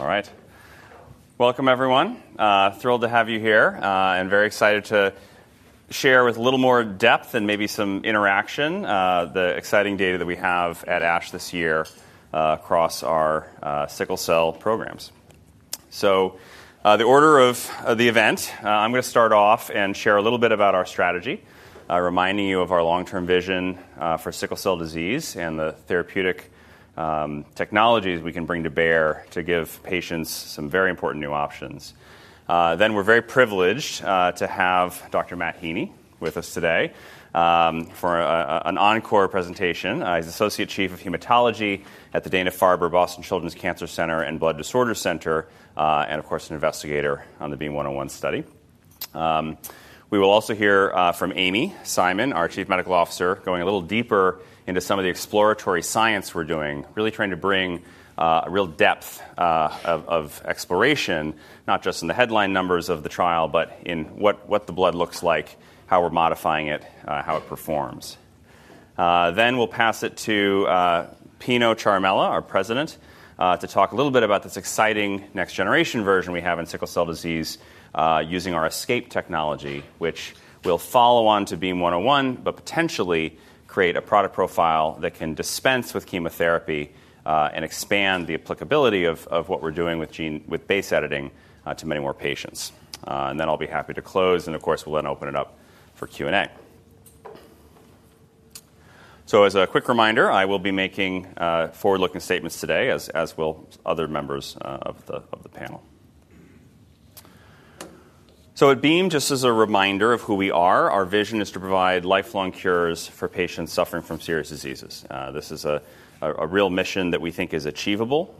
All right. Welcome, everyone. Thrilled to have you here and very excited to share with a little more depth and maybe some interaction the exciting data that we have at ASH this year across our sickle cell programs. So the order of the event, I'm going to start off and share a little bit about our strategy, reminding you of our long-term vision for sickle cell disease and the therapeutic technologies we can bring to bear to give patients some very important new options. Then we're very privileged to have Dr. Matt Heeney with us today for an encore presentation. He's Associate Chief of Hematology at the Dana-Farber/Boston Children's Cancer Center and Blood Disorders Center and, of course, an investigator on the BEAM-101 study. We will also hear from Amy Simon, our Chief Medical Officer, going a little deeper into some of the exploratory science we're doing, really trying to bring a real depth of exploration, not just in the headline numbers of the trial, but in what the blood looks like, how we're modifying it, how it performs. Then we'll pass it to Pino Ciaramella, our President, to talk a little bit about this exciting next-generation version we have in sickle cell disease using our ESCAPE technology, which will follow on to BEAM-101, but potentially create a product profile that can dispense with chemotherapy and expand the applicability of what we're doing with base editing to many more patients. And then I'll be happy to close, and, of course, we'll then open it up for Q&A. So as a quick reminder, I will be making forward-looking statements today, as will other members of the panel. So at Beam, just as a reminder of who we are, our vision is to provide lifelong cures for patients suffering from serious diseases. This is a real mission that we think is achievable.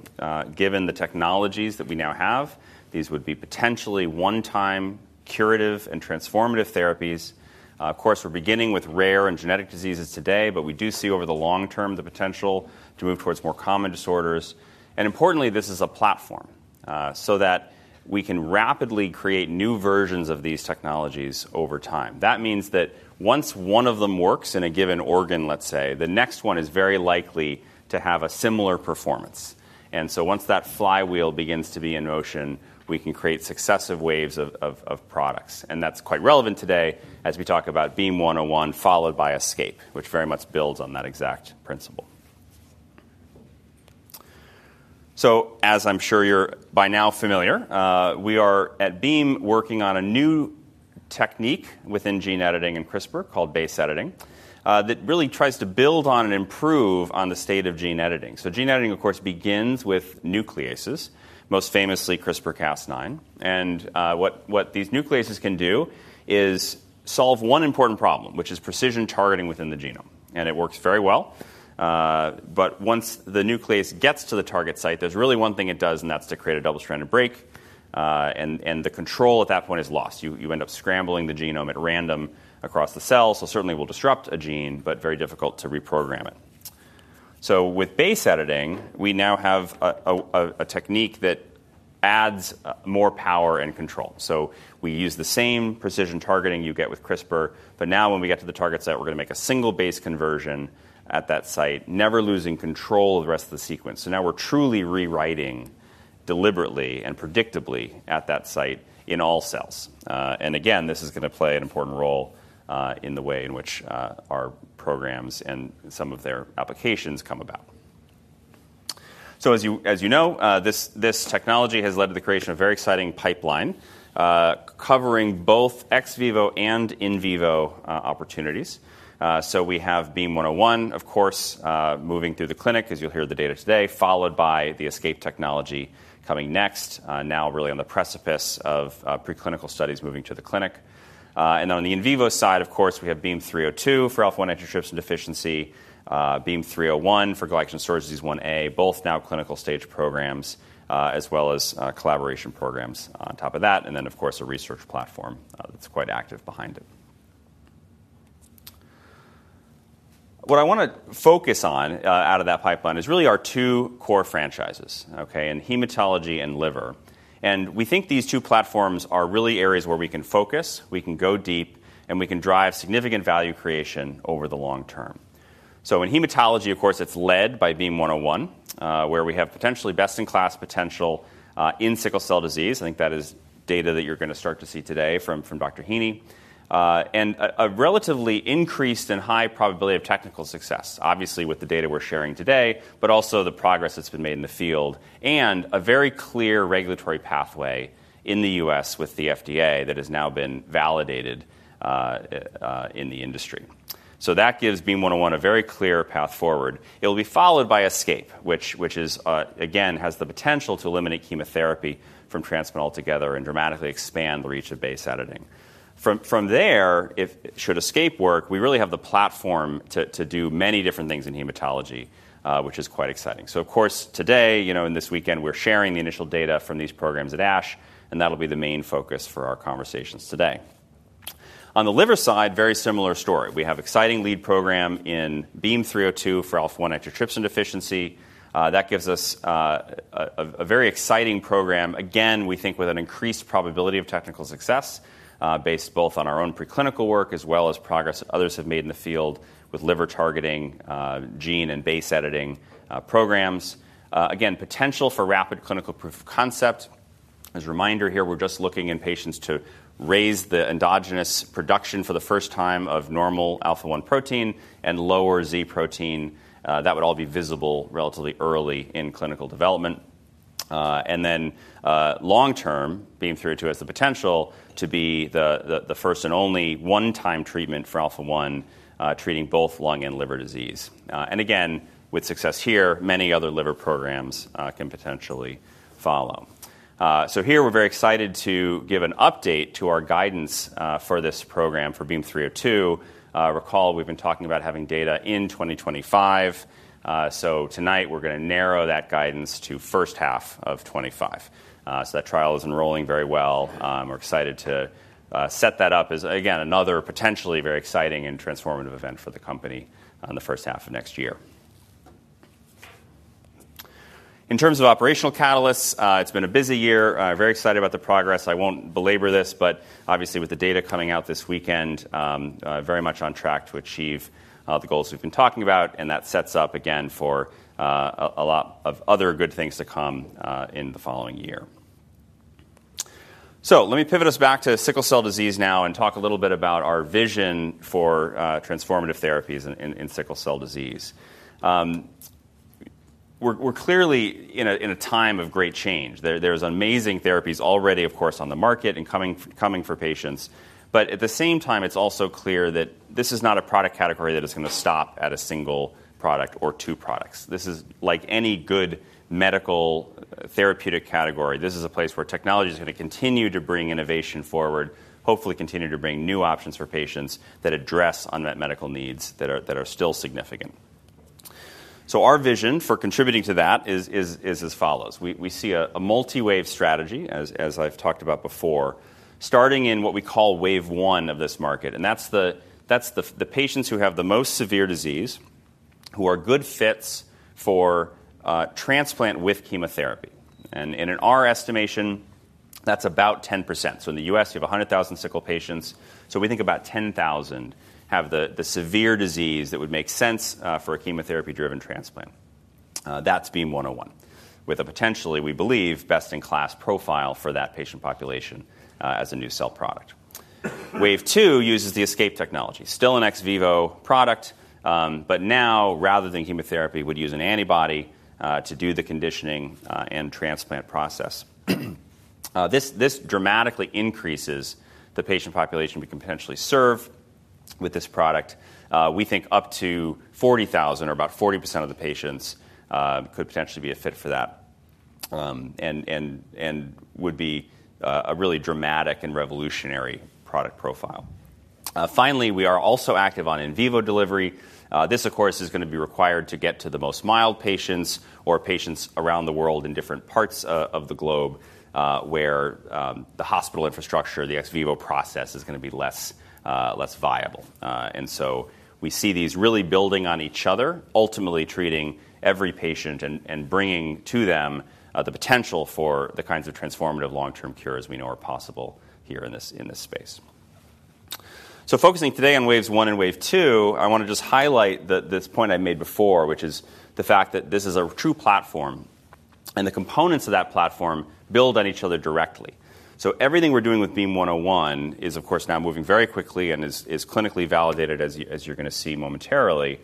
Given the technologies that we now have, these would be potentially one-time curative and transformative therapies. Of course, we're beginning with rare and genetic diseases today, but we do see over the long term the potential to move towards more common disorders. And importantly, this is a platform so that we can rapidly create new versions of these technologies over time. That means that once one of them works in a given organ, let's say, the next one is very likely to have a similar performance. And so once that flywheel begins to be in motion, we can create successive waves of products. And that's quite relevant today as we talk about BEAM-101, followed by ESCAPE, which very much builds on that exact principle. So, as I'm sure you're by now familiar, we are at Beam working on a new technique within gene editing and CRISPR called base editing that really tries to build on and improve on the state of gene editing. So gene editing, of course, begins with nucleases, most famously CRISPR-Cas9. And what these nucleases can do is solve one important problem, which is precision targeting within the genome. And it works very well. But once the nuclease gets to the target site, there's really one thing it does, and that's to create a double-stranded break. And the control at that point is lost. You end up scrambling the genome at random across the cell, so certainly it will disrupt a gene, but very difficult to reprogram it, so with base editing, we now have a technique that adds more power and control, so we use the same precision targeting you get with CRISPR, but now when we get to the target site, we're going to make a single base conversion at that site, never losing control of the rest of the sequence, so now we're truly rewriting deliberately and predictably at that site in all cells, and again, this is going to play an important role in the way in which our programs and some of their applications come about, so as you know, this technology has led to the creation of a very exciting pipeline covering both ex vivo and in vivo opportunities. We have BEAM-101, of course, moving through the clinic, as you'll hear the data today, followed by the ESCAPE technology coming next, now really on the precipice of preclinical studies moving to the clinic. Then on the in vivo side, of course, we have BEAM-302 for alpha-1 antitrypsin deficiency, BEAM-301 for glycogen storage disease Ia, both now clinical stage programs, as well as collaboration programs on top of that. Then, of course, a research platform that's quite active behind it. What I want to focus on out of that pipeline is really our two core franchises, in hematology and liver. We think these two platforms are really areas where we can focus, we can go deep, and we can drive significant value creation over the long term. So in hematology, of course, it's led by BEAM-101, where we have potentially best-in-class potential in sickle cell disease. I think that is data that you're going to start to see today from Dr. Heeney, and a relatively increased and high probability of technical success, obviously with the data we're sharing today, but also the progress that's been made in the field and a very clear regulatory pathway in the U.S. with the FDA that has now been validated in the industry. So that gives BEAM-101 a very clear path forward. It will be followed by ESCAPE, which again has the potential to eliminate chemotherapy from transplant altogether and dramatically expand the reach of base editing. From there, if ESCAPE works, we really have the platform to do many different things in hematology, which is quite exciting. So, of course, today, in this weekend, we're sharing the initial data from these programs at ASH, and that'll be the main focus for our conversations today. On the liver side, very similar story. We have an exciting lead program in BEAM-302 for alpha-1 antitrypsin deficiency. That gives us a very exciting program, again, we think with an increased probability of technical success, based both on our own preclinical work as well as progress that others have made in the field with liver targeting, gene and base editing programs. Again, potential for rapid clinical proof of concept. As a reminder here, we're just looking in patients to raise the endogenous production for the first time of normal alpha-1 protein and lower Z protein. That would all be visible relatively early in clinical development. And then long term, BEAM-302 has the potential to be the first and only one-time treatment for alpha-1, treating both lung and liver disease. And again, with success here, many other liver programs can potentially follow. So here, we're very excited to give an update to our guidance for this program for BEAM-302. Recall, we've been talking about having data in 2025. So tonight, we're going to narrow that guidance to the first half of 2025. So that trial is enrolling very well. We're excited to set that up as, again, another potentially very exciting and transformative event for the company in the first half of next year. In terms of operational catalysts, it's been a busy year. I'm very excited about the progress. I won't belabor this, but obviously with the data coming out this weekend, very much on track to achieve the goals we've been talking about, and that sets up, again, for a lot of other good things to come in the following year, so let me pivot us back to sickle cell disease now and talk a little bit about our vision for transformative therapies in sickle cell disease. We're clearly in a time of great change. There are amazing therapies already, of course, on the market and coming for patients, but at the same time, it's also clear that this is not a product category that is going to stop at a single product or two products. This is like any good medical therapeutic category. This is a place where technology is going to continue to bring innovation forward, hopefully continue to bring new options for patients that address unmet medical needs that are still significant. So our vision for contributing to that is as follows. We see a multi-wave strategy, as I've talked about before, starting in what we call wave one of this market. And that's the patients who have the most severe disease, who are good fits for transplant with chemotherapy. And in our estimation, that's about 10%. So in the U.S., you have 100,000 sickle patients. So we think about 10,000 have the severe disease that would make sense for a chemotherapy-driven transplant. That's BEAM-101, with a potentially, we believe, best-in-class profile for that patient population as a new cell product. Wave two uses the ESCAPE technology, still an ex vivo product, but now, rather than chemotherapy, would use an antibody to do the conditioning and transplant process. This dramatically increases the patient population we can potentially serve with this product. We think up to 40,000, or about 40% of the patients, could potentially be a fit for that and would be a really dramatic and revolutionary product profile. Finally, we are also active on in vivo delivery. This, of course, is going to be required to get to the most mild patients or patients around the world in different parts of the globe where the hospital infrastructure, the ex vivo process, is going to be less viable. And so we see these really building on each other, ultimately treating every patient and bringing to them the potential for the kinds of transformative long-term cures we know are possible here in this space. So focusing today on waves one and wave two, I want to just highlight this point I made before, which is the fact that this is a true platform, and the components of that platform build on each other directly. So everything we're doing with BEAM-101 is, of course, now moving very quickly and is clinically validated, as you're going to see momentarily.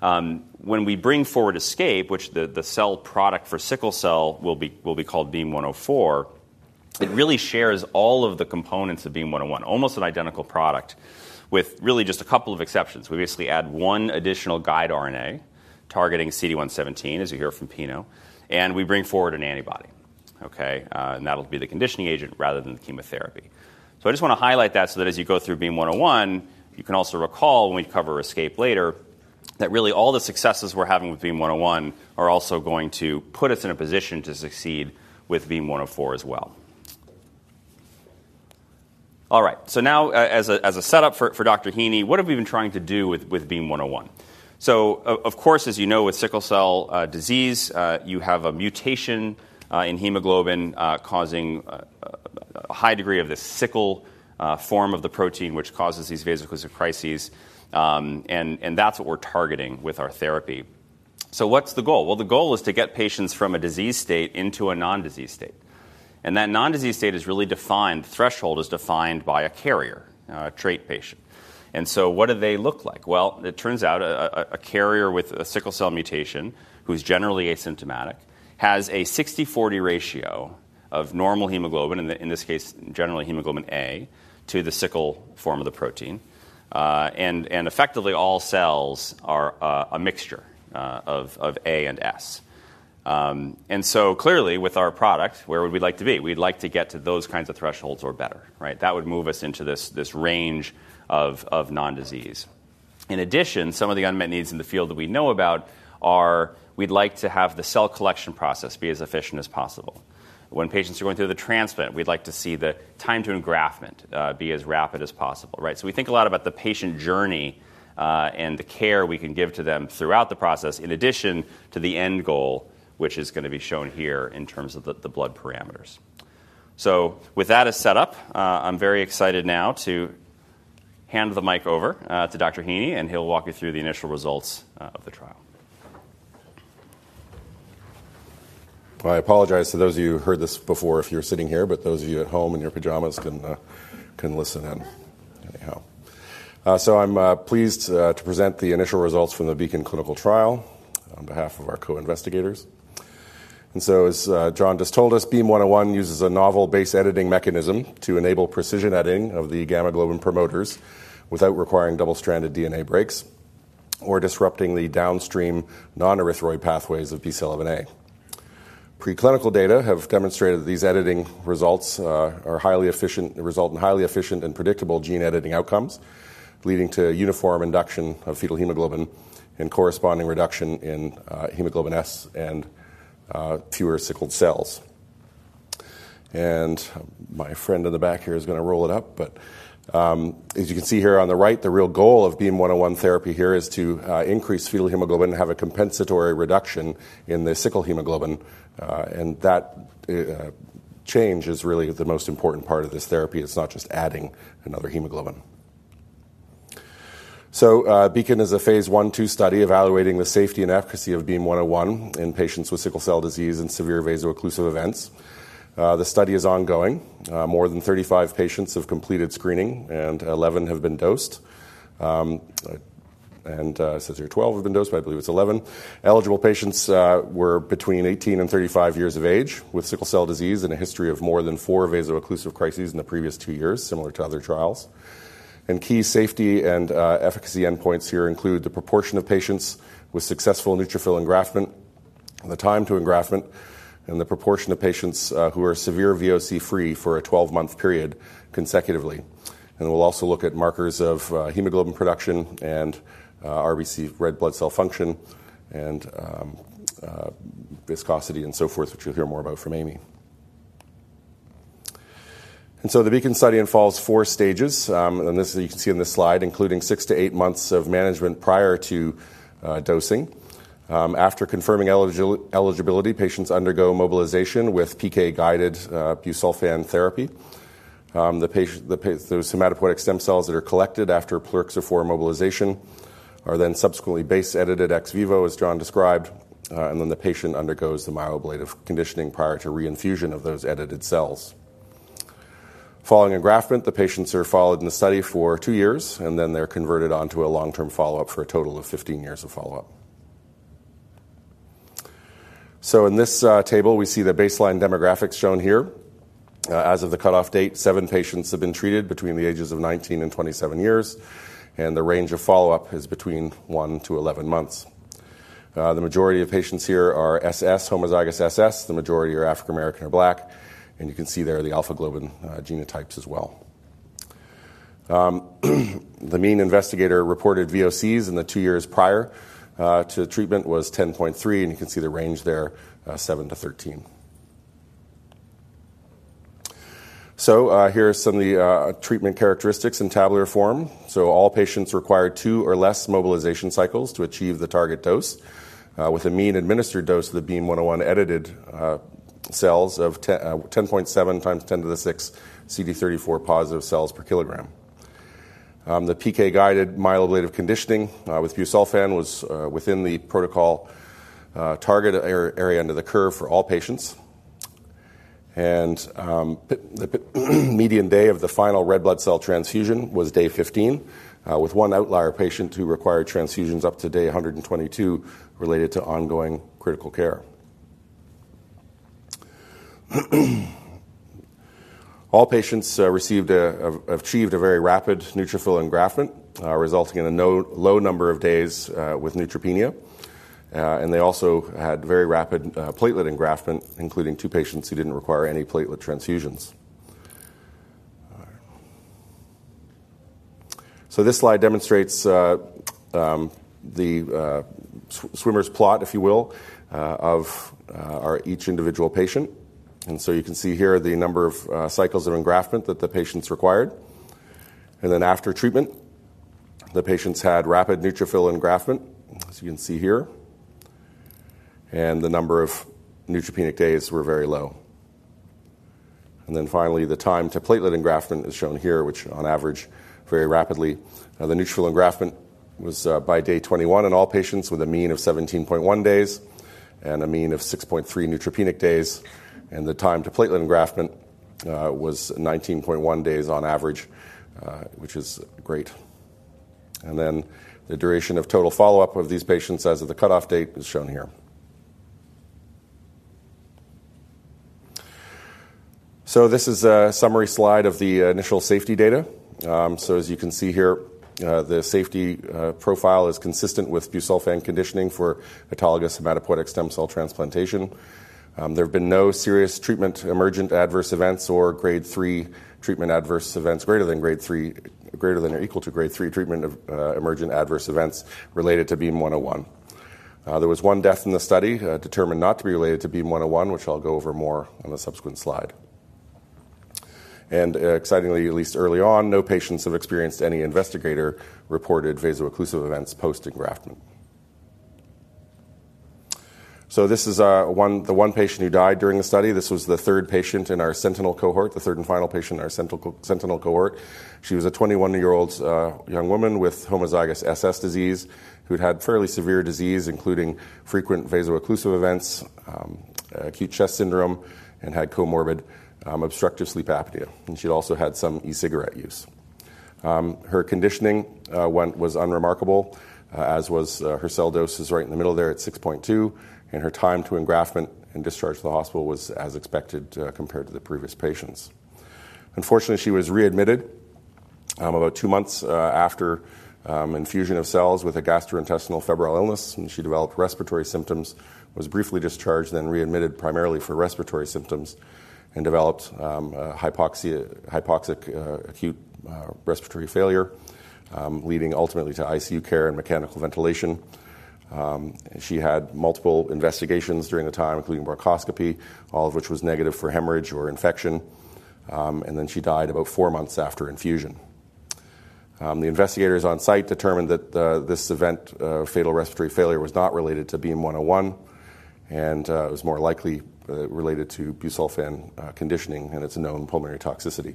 When we bring forward ESCAPE, which the cell product for sickle cell will be called BEAM-104, it really shares all of the components of BEAM-101, almost an identical product, with really just a couple of exceptions. We basically add one additional guide RNA targeting CD117, as you hear from Pino, and we bring forward an antibody, and that'll be the conditioning agent rather than the chemotherapy. I just want to highlight that so that as you go through BEAM-101, you can also recall when we cover ESCAPE later that really all the successes we're having with BEAM-101 are also going to put us in a position to succeed with BEAM-104 as well. All right, so now, as a setup for Dr. Heeney, what have we been trying to do with BEAM-101? Of course, as you know, with sickle cell disease, you have a mutation in hemoglobin causing a high degree of this sickle form of the protein, which causes these vaso-occlusive crises, and that's what we're targeting with our therapy, so what's the goal? The goal is to get patients from a disease state into a non-disease state. That non-disease state is really defined. The threshold is defined by a carrier, a trait patient. What do they look like? It turns out a carrier with a sickle cell mutation, who's generally asymptomatic, has a 60/40 ratio of normal hemoglobin, in this case, generally hemoglobin A, to the sickle form of the protein. Effectively, all cells are a mixture of A and S. Clearly, with our product, where would we like to be? We'd like to get to those kinds of thresholds or better. That would move us into this range of non-disease. In addition, some of the unmet needs in the field that we know about are, we'd like to have the cell collection process be as efficient as possible. When patients are going through the transplant, we'd like to see the time to engraftment be as rapid as possible. So we think a lot about the patient journey and the care we can give to them throughout the process, in addition to the end goal, which is going to be shown here in terms of the blood parameters. So with that as setup, I'm very excited now to hand the mic over to Dr. Heeney, and he'll walk you through the initial results of the trial. I apologize to those of you who heard this before if you're sitting here, but those of you at home in your pajamas can listen in anyhow. So I'm pleased to present the initial results from the BEACON clinical trial on behalf of our co-investigators. As John just told us, BEAM-101 uses a novel base editing mechanism to enable precision editing of the gamma-globin promoters without requiring double-stranded DNA breaks or disrupting the downstream non-erythroid pathways of BCL11A. Preclinical data have demonstrated that these editing results in highly efficient and predictable gene editing outcomes, leading to uniform induction of fetal hemoglobin and corresponding reduction in hemoglobin S and fewer sickled cells. My friend in the back here is going to roll it up. As you can see here on the right, the real goal of BEAM-101 therapy here is to increase fetal hemoglobin and have a compensatory reduction in the sickle hemoglobin. That change is really the most important part of this therapy. It's not just adding another hemoglobin. BEAM-101 is a phase I/II study evaluating the safety and efficacy of BEAM-101 in patients with sickle cell disease and severe vaso-occlusive events. The study is ongoing. More than 35 patients have completed screening, and 11 have been dosed. It says here 12 have been dosed, but I believe it's 11. Eligible patients were between 18 and 35 years of age with sickle cell disease and a history of more than four vaso-occlusive crises in the previous two years, similar to other trials. Key safety and efficacy endpoints here include the proportion of patients with successful neutrophil engraftment, the time to engraftment, and the proportion of patients who are severe VOC-free for a 12-month period consecutively. We'll also look at markers of hemoglobin production and RBC red blood cell function and viscosity and so forth, which you'll hear more about from Amy. The BEAM-101 study unfolds in four stages. This is, you can see on this slide, including six to eight months of management prior to dosing. After confirming eligibility, patients undergo mobilization with PK-guided busulfan therapy. The hematopoietic stem cells that are collected after plerixafor mobilization are then subsequently base-edited ex vivo, as John described. Then the patient undergoes the myeloablative conditioning prior to reinfusion of those edited cells. Following engraftment, the patients are followed in the study for two years, and then they're converted onto a long-term follow-up for a total of 15 years of follow-up. In this table, we see the baseline demographics shown here. As of the cutoff date, seven patients have been treated between the ages of 19 and 27 years. The range of follow-up is between 1 to 11 months. The majority of patients here are SS, homozygous SS. The majority are African American or Black. You can see there are the alpha-globin genotypes as well. The main investigator reported VOCs in the two years prior to treatment was 10.3. You can see the range there, 7 to 13. Here are some of the treatment characteristics in tabular form. All patients required two or less mobilization cycles to achieve the target dose, with a mean administered dose of the BEAM-101 edited cells of 10.7 times 10 to the six CD34+ cells per kilogram. The PK-guided myeloablative conditioning with busulfan was within the protocol target area under the curve for all patients. The median day of the final red blood cell transfusion was day 15, with one outlier patient who required transfusions up to day 122 related to ongoing critical care. All patients achieved a very rapid neutrophil engraftment, resulting in a low number of days with neutropenia, and they also had very rapid platelet engraftment, including two patients who didn't require any platelet transfusions, so this slide demonstrates the swimmers' plot, if you will, of each individual patient, and so you can see here the number of cycles of engraftment that the patients required, and then after treatment, the patients had rapid neutrophil engraftment, as you can see here, and the number of neutropenic days were very low, and then finally, the time to platelet engraftment is shown here, which on average, very rapidly. The neutrophil engraftment was by day 21 in all patients with a mean of 17.1 days and a mean of 6.3 neutropenic days, and the time to platelet engraftment was 19.1 days on average, which is great. Then the duration of total follow-up of these patients as of the cutoff date is shown here. So this is a summary slide of the initial safety data. So as you can see here, the safety profile is consistent with busulfan conditioning for autologous hematopoietic stem cell transplantation. There have been no serious treatment-emergent adverse events or Grade 3 treatment adverse events greater than Grade 3, greater than or equal to Grade 3 treatment-emergent adverse events related to BEAM-101. There was one death in the study determined not to be related to BEAM-101, which I'll go over more on a subsequent slide. And excitingly, at least early on, no patients have experienced any investigator-reported vaso-occlusive events post-engraftment. So this is the one patient who died during the study. This was the third patient in our sentinel cohort, the third and final patient in our sentinel cohort. She was a 21-year-old young woman with homozygous SS disease who had had fairly severe disease, including frequent vaso-occlusive events, acute chest syndrome, and had comorbid obstructive sleep apnea, and she'd also had some e-cigarette use. Her conditioning was unremarkable, as was her cell dose is right in the middle there at 6.2, and her time to engraftment and discharge to the hospital was as expected compared to the previous patients. Unfortunately, she was readmitted about two months after infusion of cells with a gastrointestinal febrile illness, and she developed respiratory symptoms, was briefly discharged, then readmitted primarily for respiratory symptoms and developed hypoxic acute respiratory failure, leading ultimately to ICU care and mechanical ventilation. She had multiple investigations during the time, including bronchoscopy, all of which was negative for hemorrhage or infection. And then she died about four months after infusion. The investigators on site determined that this event of fatal respiratory failure was not related to BEAM-101, and it was more likely related to busulfan conditioning and its known pulmonary toxicity.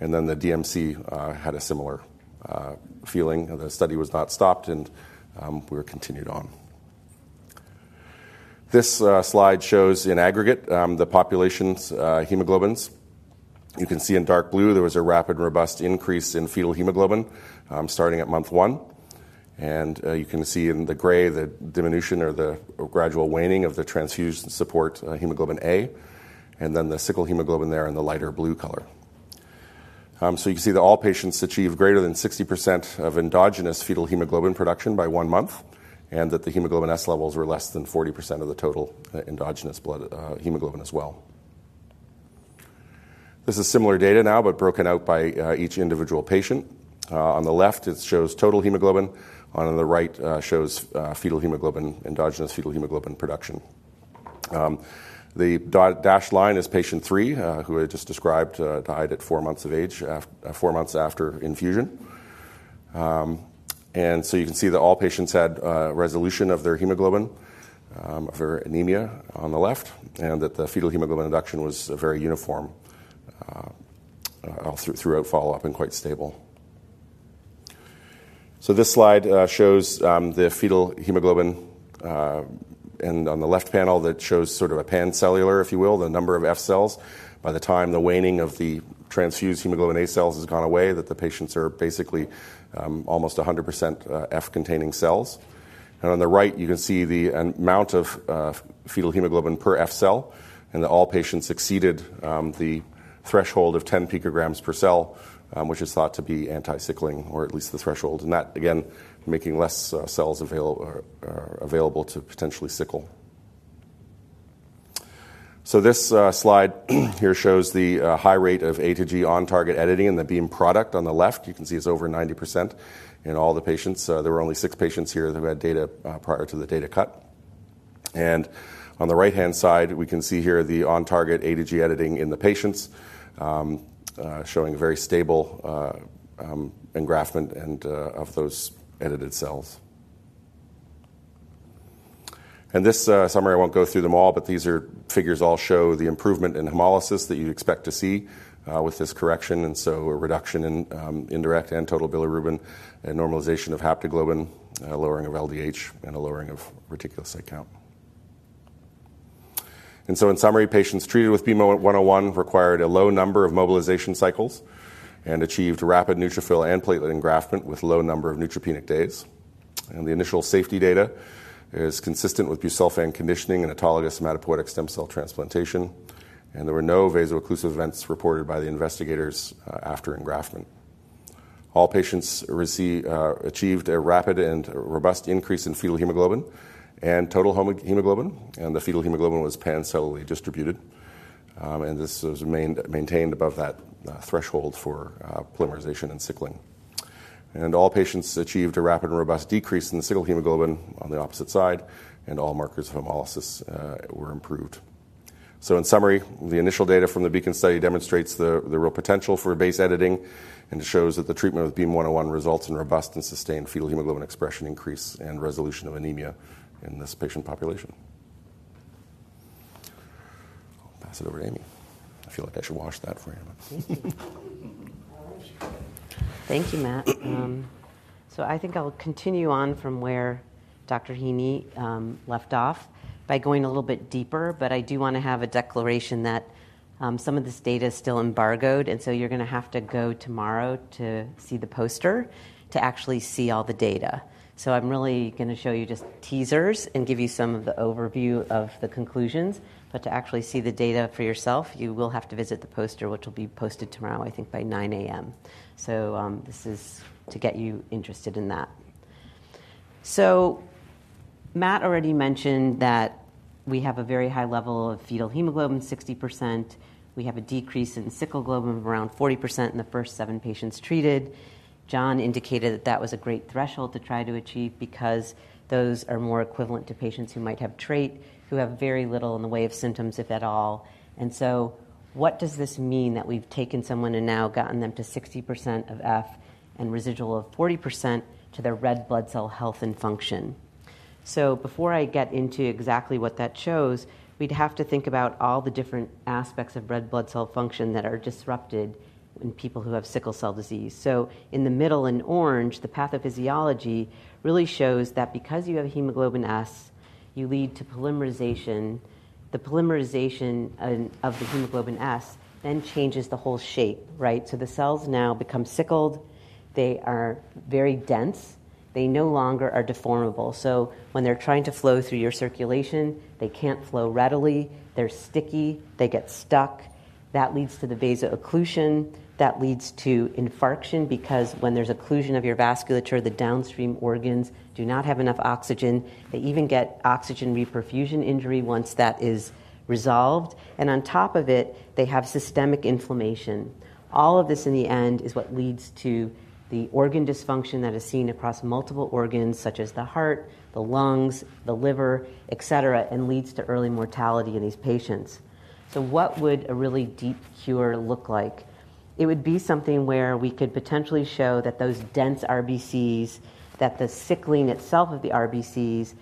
And then the DMC had a similar feeling. The study was not stopped, and we were continued on. This slide shows in aggregate the population's hemoglobins. You can see in dark blue, there was a rapid, robust increase in fetal hemoglobin starting at month one. And you can see in the gray the diminution or the gradual waning of the transfusion support hemoglobin A, and then the sickle hemoglobin there in the lighter blue color. So you can see that all patients achieved greater than 60% of endogenous fetal hemoglobin production by one month, and that the hemoglobin S levels were less than 40% of the total endogenous blood hemoglobin as well. This is similar data now, but broken out by each individual patient. On the left, it shows total hemoglobin. On the right, it shows fetal hemoglobin, endogenous fetal hemoglobin production. The dashed line is patient three, who I just described, died at four months of age, four months after infusion. And so you can see that all patients had resolution of their hemoglobin, of their anemia on the left, and that the fetal hemoglobin induction was very uniform throughout follow-up and quite stable. So this slide shows the fetal hemoglobin, and on the left panel, that shows sort of a pan-cellular, if you will, the number of F cells. By the time the waning of the transfused hemoglobin A cells has gone away, the patients are basically almost 100% F-cell-containing cells. And on the right, you can see the amount of fetal hemoglobin per F-cell, and that all patients exceeded the threshold of 10 pg per cell, which is thought to be anti-sickling, or at least the threshold. And that, again, making less cells available to potentially sickle. So this slide here shows the high rate of A-to-G on-target editing in the Beam product. On the left, you can see it's over 90% in all the patients. There were only six patients here that had data prior to the data cut. And on the right-hand side, we can see here the on-target A-to-G editing in the patients, showing very stable engraftment of those edited cells. And this summary, I won't go through them all, but these figures all show the improvement in hemolysis that you expect to see with this correction. And so a reduction in indirect and total bilirubin, a normalization of haptoglobin, a lowering of LDH, and a lowering of reticulocyte count. And so in summary, patients treated with BEAM-101 required a low number of mobilization cycles and achieved rapid neutrophil and platelet engraftment with a low number of neutropenic days. And the initial safety data is consistent with busulfan conditioning and autologous hematopoietic stem cell transplantation. And there were no vaso-occlusive events reported by the investigators after engraftment. All patients achieved a rapid and robust increase in fetal hemoglobin and total hemoglobin. And the fetal hemoglobin was pancellularly distributed. And this was maintained above that threshold for polymerization and sickling. All patients achieved a rapid and robust decrease in the sickle hemoglobin on the opposite side, and all markers of hemolysis were improved. So in summary, the initial data from the BEACON study demonstrates the real potential for base editing, and it shows that the treatment with BEAM-101 results in robust and sustained fetal hemoglobin expression increase and resolution of anemia in this patient population. I'll pass it over to Amy. I feel like I should watch that for you. Thank you, Matt. So I think I'll continue on from where Dr. Heeney left off by going a little bit deeper. But I do want to have a declaration that some of this data is still embargoed. And so you're going to have to go tomorrow to see the poster to actually see all the data. So I'm really going to show you just teasers and give you some of the overview of the conclusions. But to actually see the data for yourself, you will have to visit the poster, which will be posted tomorrow, I think, by 9:00 A.M. So this is to get you interested in that. So Matt already mentioned that we have a very high level of fetal hemoglobin, 60%. We have a decrease in sickle globin of around 40% in the first seven patients treated. John indicated that that was a great threshold to try to achieve because those are more equivalent to patients who might have trait, who have very little in the way of symptoms, if at all. And so what does this mean that we've taken someone and now gotten them to 60% of F and residual of 40% to their red blood cell health and function? So before I get into exactly what that shows, we'd have to think about all the different aspects of red blood cell function that are disrupted in people who have sickle cell disease. So in the middle in orange, the pathophysiology really shows that because you have hemoglobin S, you lead to polymerization. The polymerization of the hemoglobin S then changes the whole shape, right? So the cells now become sickled. They are very dense. They no longer are deformable. So when they're trying to flow through your circulation, they can't flow readily. They're sticky. They get stuck. That leads to the vaso-occlusion. That leads to infarction because when there's occlusion of your vasculature, the downstream organs do not have enough oxygen. They even get oxygen reperfusion injury once that is resolved. And on top of it, they have systemic inflammation. All of this in the end is what leads to the organ dysfunction that is seen across multiple organs, such as the heart, the lungs, the liver, etc., and leads to early mortality in these patients. So what would a really deep cure look like? It would be something where we could potentially show that those dense RBCs, that the sickling itself of the RBCs,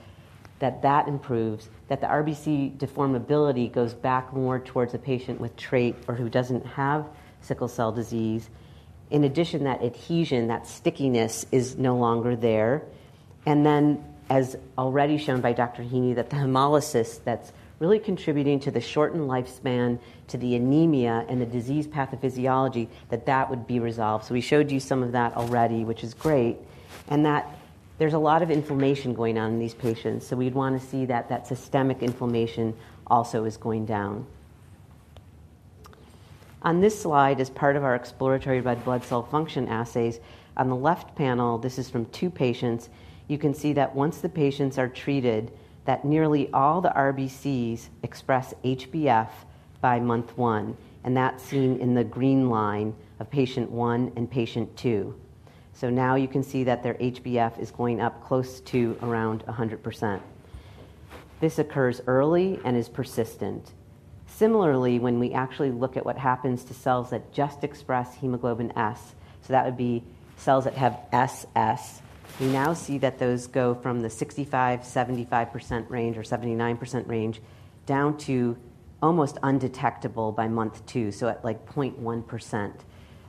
that that improves, that the RBC deformability goes back more towards a patient with trait or who doesn't have sickle cell disease. In addition, that adhesion, that stickiness is no longer there. And then, as already shown by Dr. Heeney, that the hemolysis that's really contributing to the shortened lifespan, to the anemia and the disease pathophysiology, that that would be resolved. So we showed you some of that already, which is great. And that there's a lot of inflammation going on in these patients. So we'd want to see that that systemic inflammation also is going down. On this slide, as part of our exploratory red blood cell function assays, on the left panel, this is from two patients. You can see that once the patients are treated, that nearly all the RBCs express HbF by month one. And that's seen in the green line of patient one and patient two. So now you can see that their HbF is going up close to around 100%. This occurs early and is persistent. Similarly, when we actually look at what happens to cells that just express hemoglobin S, so that would be cells that have SS, we now see that those go from the 65%-75% range or 79% range down to almost undetectable by month two, so at like 0.1%.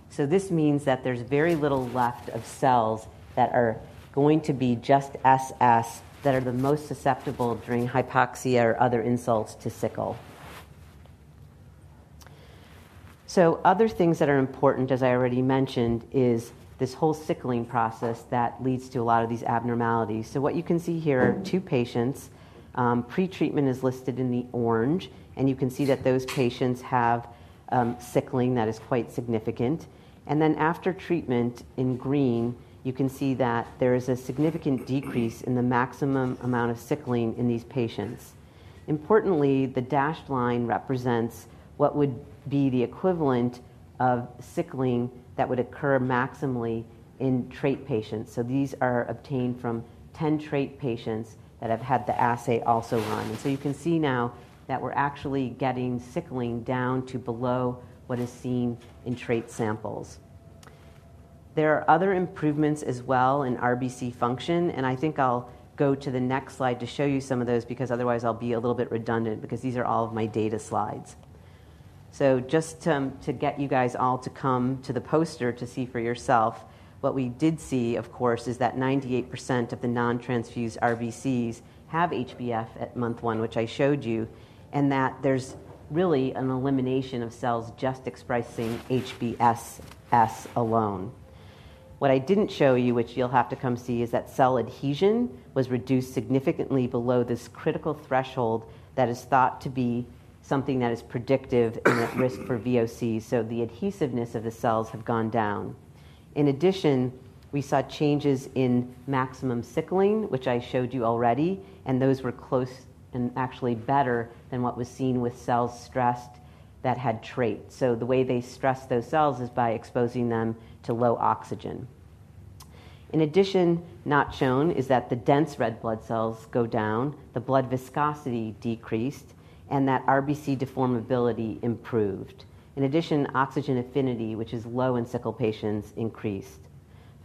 So this means that there's very little left of cells that are going to be just SS that are the most susceptible during hypoxia or other insults to sickle. So other things that are important, as I already mentioned, is this whole sickling process that leads to a lot of these abnormalities. So what you can see here are two patients. Pretreatment is listed in the orange. And you can see that those patients have sickling that is quite significant. And then after treatment in green, you can see that there is a significant decrease in the maximum amount of sickling in these patients. Importantly, the dashed line represents what would be the equivalent of sickling that would occur maximally in trait patients. So these are obtained from 10 trait patients that have had the assay also run. And so you can see now that we're actually getting sickling down to below what is seen in trait samples. There are other improvements as well in RBC function. And I think I'll go to the next slide to show you some of those because otherwise I'll be a little bit redundant because these are all of my data slides. So just to get you guys all to come to the poster to see for yourself, what we did see, of course, is that 98% of the non-transfused RBCs have HbF at month one, which I showed you, and that there's really an elimination of cells just expressing HbSS alone. What I didn't show you, which you'll have to come see, is that cell adhesion was reduced significantly below this critical threshold that is thought to be something that is predictive and at risk for VOCs. So the adhesiveness of the cells has gone down. In addition, we saw changes in maximum sickling, which I showed you already. And those were close and actually better than what was seen with cells stressed that had trait. So the way they stressed those cells is by exposing them to low oxygen. In addition, not shown is that the dense red blood cells go down, the blood viscosity decreased, and that RBC deformability improved. In addition, oxygen affinity, which is low in sickle patients, increased.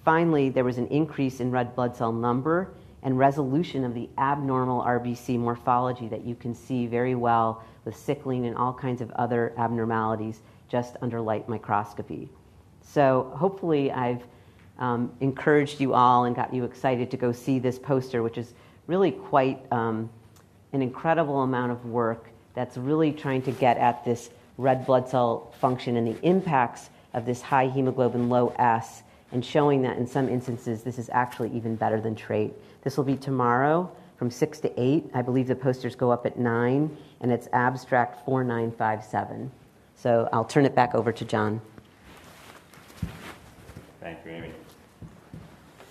Finally, there was an increase in red blood cell number and resolution of the abnormal RBC morphology that you can see very well with sickling and all kinds of other abnormalities just under light microscopy. Hopefully, I've encouraged you all and got you excited to go see this poster, which is really quite an incredible amount of work that's really trying to get at this red blood cell function and the impacts of this high hemoglobin, low S, and showing that in some instances, this is actually even better than trait. This will be tomorrow from 6:00 P.M. to 8:00 P.M. I believe the posters go up at 9:00 A.M., and it's abstract 4957. So I'll turn it back over to John. Thank you, Amy.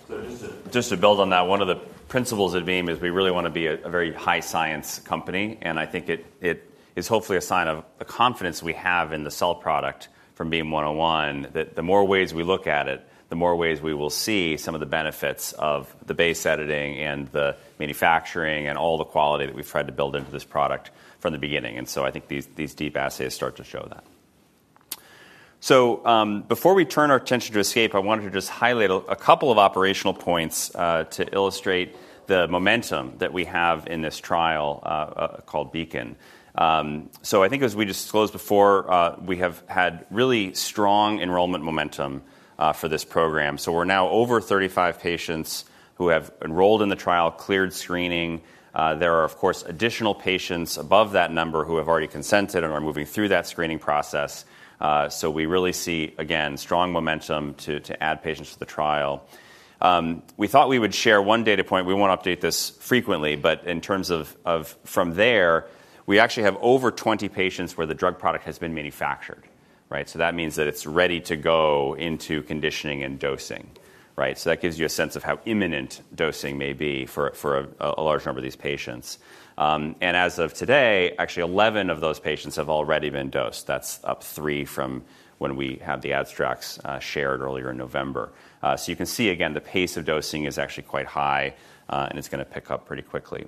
So just to build on that, one of the principles of Beam is we really want to be a very high-science company. And I think it is hopefully a sign of the confidence we have in the cell product from BEAM-101, that the more ways we look at it, the more ways we will see some of the benefits of the base editing and the manufacturing and all the quality that we've tried to build into this product from the beginning. And so I think these deep assays start to show that. So before we turn our attention to ESCAPE, I wanted to just highlight a couple of operational points to illustrate the momentum that we have in this trial called BEACON. So I think, as we disclosed before, we have had really strong enrollment momentum for this program. So we're now over 35 patients who have enrolled in the trial, cleared screening. There are, of course, additional patients above that number who have already consented and are moving through that screening process. So we really see, again, strong momentum to add patients to the trial. We thought we would share one data point. We won't update this frequently, but in terms of from there, we actually have over 20 patients where the drug product has been manufactured, right? So that means that it's ready to go into conditioning and dosing, right? So that gives you a sense of how imminent dosing may be for a large number of these patients. And as of today, actually, 11 of those patients have already been dosed. That's up three from when we had the abstracts shared earlier in November. So you can see, again, the pace of dosing is actually quite high, and it's going to pick up pretty quickly.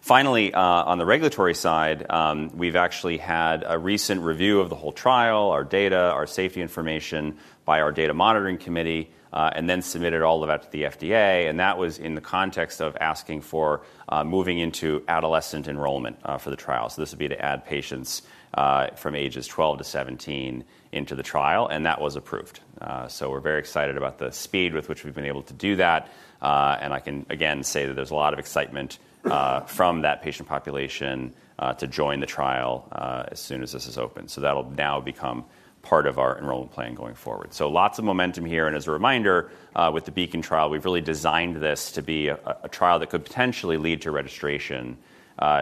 Finally, on the regulatory side, we've actually had a recent review of the whole trial, our data, our safety information by our data monitoring committee, and then submitted all of that to the FDA. And that was in the context of asking for moving into adolescent enrollment for the trial. So this would be to add patients from ages 12 to 17 into the trial. And that was approved. So we're very excited about the speed with which we've been able to do that. And I can, again, say that there's a lot of excitement from that patient population to join the trial as soon as this is open. So that'll now become part of our enrollment plan going forward. So lots of momentum here. As a reminder, with the BEACON trial, we've really designed this to be a trial that could potentially lead to registration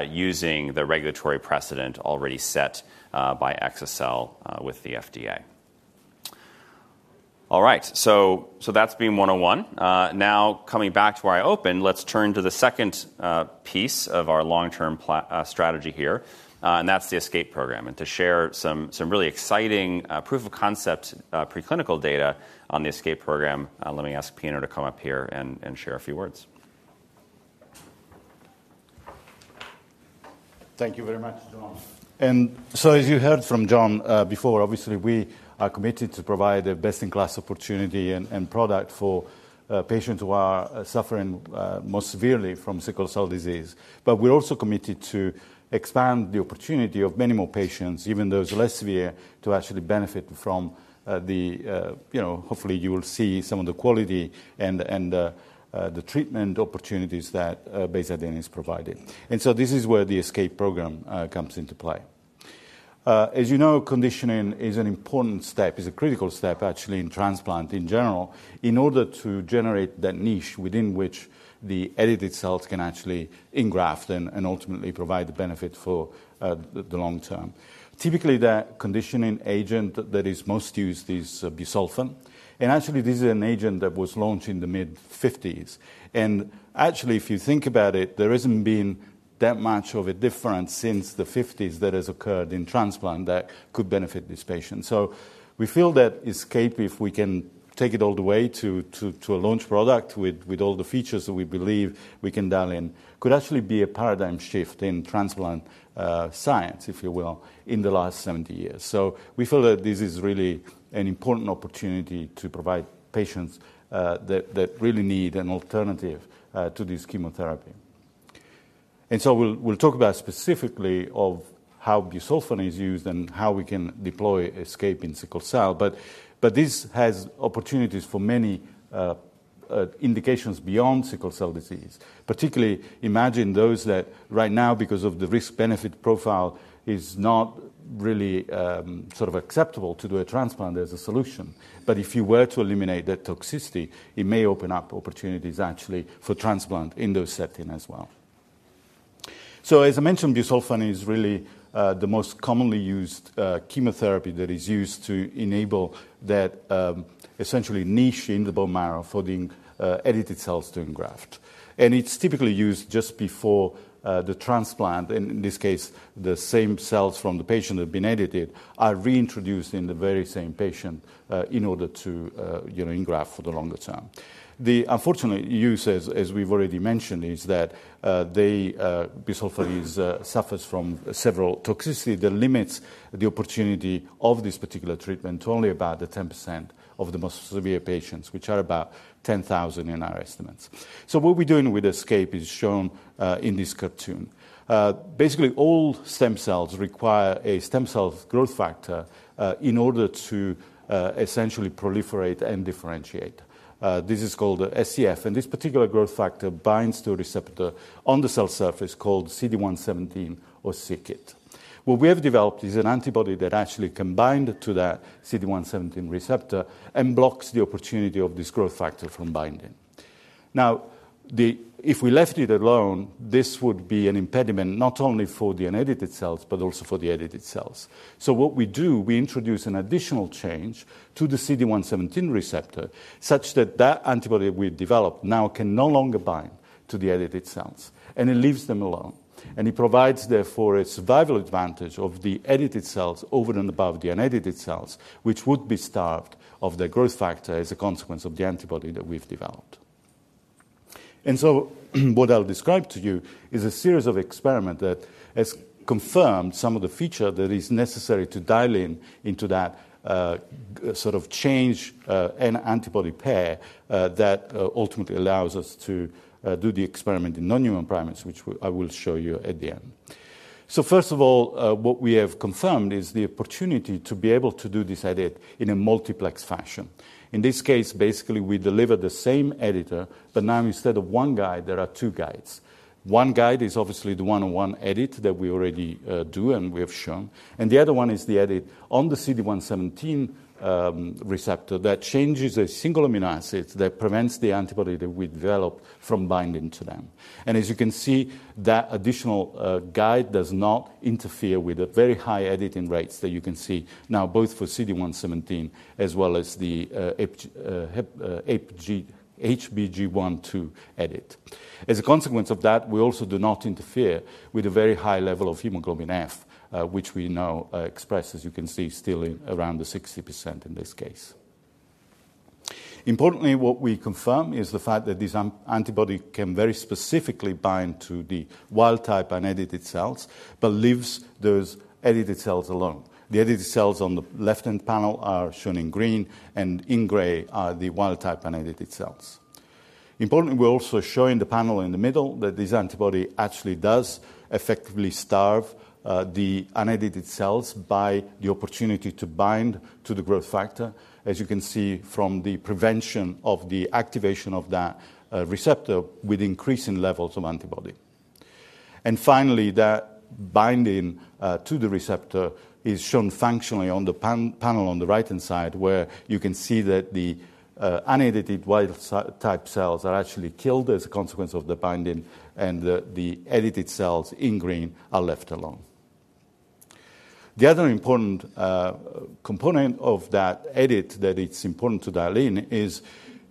using the regulatory precedent already set by exa-cel with the FDA. All right. That's BEAM-101. Now, coming back to where I opened, let's turn to the second piece of our long-term strategy here. That's the ESCAPE program. To share some really exciting proof of concept preclinical data on the ESCAPE program, let me ask Pino to come up here and share a few words. Thank you very much, John. And so, as you heard from John before, obviously, we are committed to provide the best-in-class opportunity and product for patients who are suffering most severely from sickle cell disease. But we're also committed to expand the opportunity of many more patients, even those less severe, to actually benefit from the, hopefully, you will see some of the quality and the treatment opportunities that base editing has provided. And so this is where the ESCAPE program comes into play. As you know, conditioning is an important step, is a critical step, actually, in transplant in general, in order to generate that niche within which the edited cells can actually engraft and ultimately provide the benefit for the long term. Typically, the conditioning agent that is most used is busulfan. And actually, this is an agent that was launched in the mid-1950s. Actually, if you think about it, there hasn't been that much of a difference since the '50s that has occurred in transplant that could benefit these patients. So we feel that ESCAPE, if we can take it all the way to a launch product with all the features that we believe we can dial in, could actually be a paradigm shift in transplant science, if you will, in the last 70 years. So we feel that this is really an important opportunity to provide patients that really need an alternative to this chemotherapy. And so we'll talk about specifically how busulfan is used and how we can deploy ESCAPE in sickle cell. But this has opportunities for many indications beyond sickle cell disease. Particularly, imagine those that right now, because of the risk-benefit profile, it's not really sort of acceptable to do a transplant as a solution. But if you were to eliminate that toxicity, it may open up opportunities, actually, for transplant in those settings as well. So, as I mentioned, busulfan is really the most commonly used chemotherapy that is used to enable that essentially niche in the bone marrow for the edited cells to engraft. And it's typically used just before the transplant. And in this case, the same cells from the patient that have been edited are reintroduced in the very same patient in order to engraft for the longer term. The unfortunate use, as we've already mentioned, is that busulfan suffers from several toxicities that limit the opportunity of this particular treatment to only about 10% of the most severe patients, which are about 10,000 in our estimates. So what we're doing with ESCAPE is shown in this cartoon. Basically, all stem cells require a stem cell growth factor in order to essentially proliferate and differentiate. This is called SCF. And this particular growth factor binds to a receptor on the cell surface called CD117, or c-Kit. What we have developed is an antibody that actually can bind to that CD117 receptor and blocks the opportunity of this growth factor from binding. Now, if we left it alone, this would be an impediment not only for the unedited cells, but also for the edited cells. So what we do, we introduce an additional change to the CD117 receptor such that that antibody we developed now can no longer bind to the edited cells. And it leaves them alone. And it provides, therefore, a survival advantage of the edited cells over and above the unedited cells, which would be starved of the growth factor as a consequence of the antibody that we've developed. And so what I'll describe to you is a series of experiments that has confirmed some of the features that are necessary to dial in into that sort of change and antibody pair that ultimately allows us to do the experiment in non-human primates, which I will show you at the end. So first of all, what we have confirmed is the opportunity to be able to do this edit in a multiplex fashion. In this case, basically, we deliver the same editor, but now instead of one guide, there are two guides. One guide is obviously the 101 edit that we already do and we have shown. And the other one is the edit on the CD117 receptor that changes a single amino acid that prevents the antibody that we develop from binding to them. And as you can see, that additional guide does not interfere with the very high editing rates that you can see now, both for CD117 as well as the HBG1/2 edit. As a consequence of that, we also do not interfere with a very high level of hemoglobin F, which we now express, as you can see, still around the 60% in this case. Importantly, what we confirm is the fact that this antibody can very specifically bind to the wild-type unedited cells, but leaves those edited cells alone. The edited cells on the left-hand panel are shown in green, and in gray are the wild-type unedited cells. Importantly, we're also showing the panel in the middle that this antibody actually does effectively starve the unedited cells by the opportunity to bind to the growth factor, as you can see from the prevention of the activation of that receptor with increasing levels of antibody, and finally, that binding to the receptor is shown functionally on the panel on the right-hand side, where you can see that the unedited wild-type cells are actually killed as a consequence of the binding, and the edited cells in green are left alone. The other important component of that edit that it's important to dial in is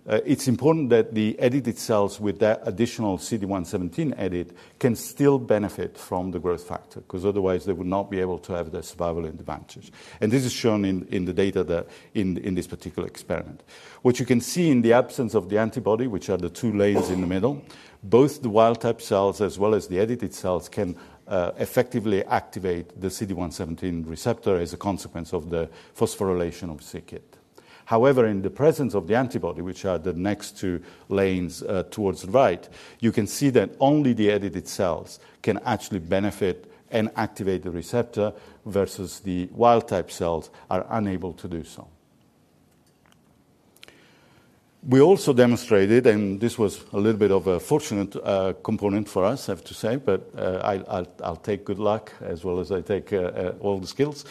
it's important that the edited cells with that additional CD117 edit can still benefit from the growth factor, because otherwise, they would not be able to have the survival advantage, and this is shown in the data in this particular experiment. What you can see in the absence of the antibody, which are the two lanes in the middle, both the wild-type cells as well as the edited cells can effectively activate the CD117 receptor as a consequence of the phosphorylation of c-Kit. However, in the presence of the antibody, which are the next two lanes towards the right, you can see that only the edited cells can actually benefit and activate the receptor, versus the wild-type cells are unable to do so. We also demonstrated, and this was a little bit of a fortunate component for us, I have to say, but I'll take good luck as well as I take all the skills,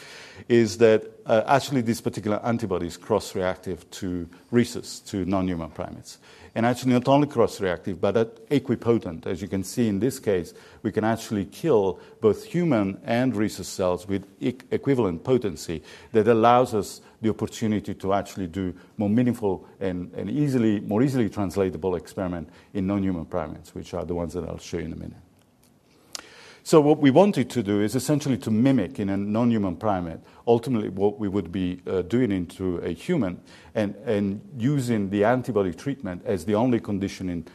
is that actually this particular antibody is cross-reactive to rhesus, to non-human primates, and actually, not only cross-reactive, but equipotent. As you can see in this case, we can actually kill both human and rhesus cells with equivalent potency that allows us the opportunity to actually do more meaningful and more easily translatable experiments in non-human primates, which are the ones that I'll show you in a minute. So what we wanted to do is essentially to mimic in a non-human primate ultimately what we would be doing in a human and using the antibody treatment as the only conditioning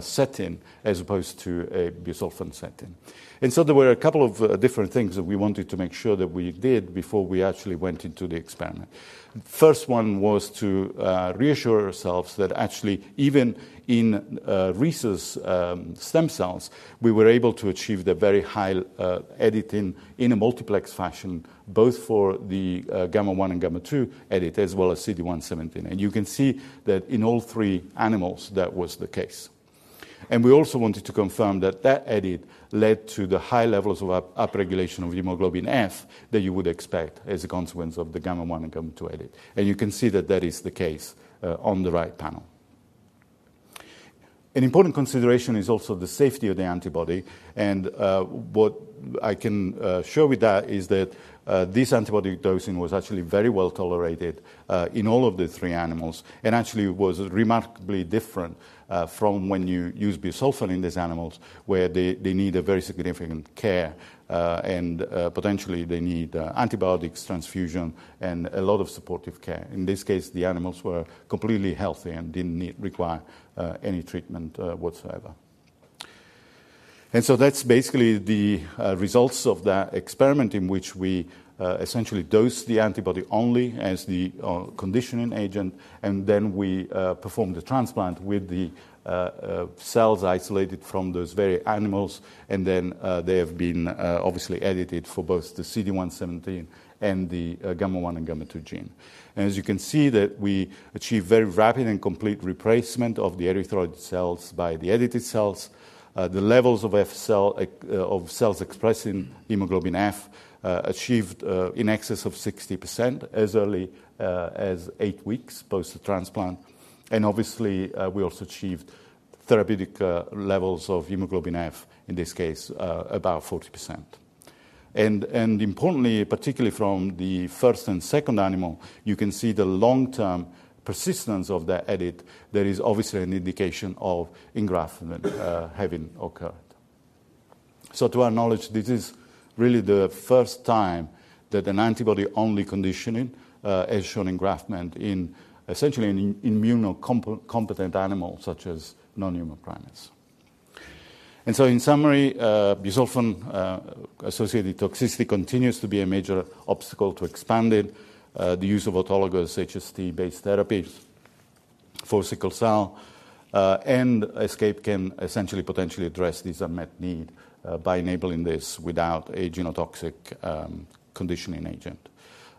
setting as opposed to a busulfan setting. And so there were a couple of different things that we wanted to make sure that we did before we actually went into the experiment. The first one was to reassure ourselves that actually, even in rhesus stem cells, we were able to achieve the very high editing in a multiplex fashion, both for the gamma-1 and gamma-2 edit as well as CD117. You can see that in all three animals, that was the case. We also wanted to confirm that that edit led to the high levels of upregulation of hemoglobin F that you would expect as a consequence of the gamma-1 and gamma-2 edit. You can see that that is the case on the right panel. An important consideration is also the safety of the antibody. What I can show with that is that this antibody dosing was actually very well tolerated in all of the three animals. Actually, it was remarkably different from when you use busulfan in these animals, where they need very significant care. Potentially, they need antibiotics, transfusion, and a lot of supportive care. In this case, the animals were completely healthy and didn't require any treatment whatsoever. That's basically the results of that experiment in which we essentially dosed the antibody only as the conditioning agent. Then we performed the transplant with the cells isolated from those very animals. Then they have been obviously edited for both the CD117 and the gamma-1 and gamma-2 gene. As you can see, that we achieved very rapid and complete replacement of the erythroid cells by the edited cells. The levels of cells expressing hemoglobin F achieved in excess of 60% as early as eight weeks post-transplant. Obviously, we also achieved therapeutic levels of hemoglobin F, in this case, about 40%. Importantly, particularly from the first and second animal, you can see the long-term persistence of that edit that is obviously an indication of engraftment having occurred. To our knowledge, this is really the first time that an antibody-only conditioning has shown engraftment in essentially immunocompetent animals, such as non-human primates. In summary, busulfan-associated toxicity continues to be a major obstacle to expanding the use of autologous HSCT-based therapies for sickle cell. ESCAPE can essentially potentially address this unmet need by enabling this without a genotoxic conditioning agent.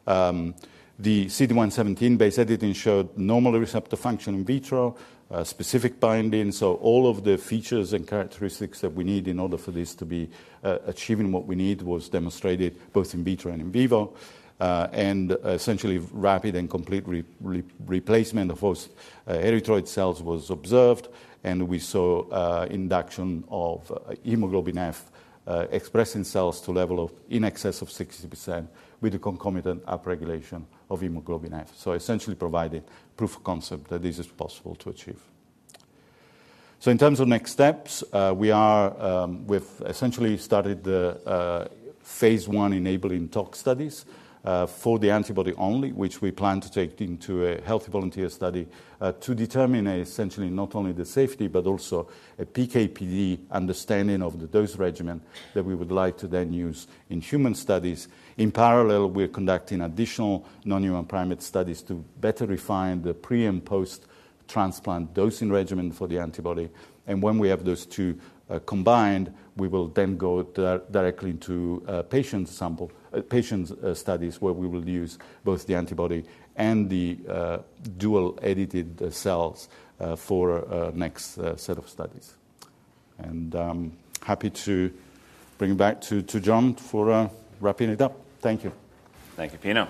The CD117-based editing showed normal receptor function in vitro, specific binding. All of the features and characteristics that we need in order for this to be achieving what we need was demonstrated both in vitro and in vivo. Essentially, rapid and complete replacement of those erythroid cells was observed. We saw induction of hemoglobin F expressing cells to a level in excess of 60% with a concomitant upregulation of hemoglobin F. Essentially provided proof of concept that this is possible to achieve. In terms of next steps, we have essentially started the phase I enabling tox studies for the antibody-only, which we plan to take into a healthy volunteer study to determine essentially not only the safety, but also a PKPD understanding of the dose regimen that we would like to then use in human studies. In parallel, we're conducting additional non-human primate studies to better refine the pre- and post-transplant dosing regimen for the antibody. When we have those two combined, we will then go directly into patient studies where we will use both the antibody and the dual-edited cells for our next set of studies. I'm happy to bring it back to John for wrapping it up. Thank you. Thank you, Pino.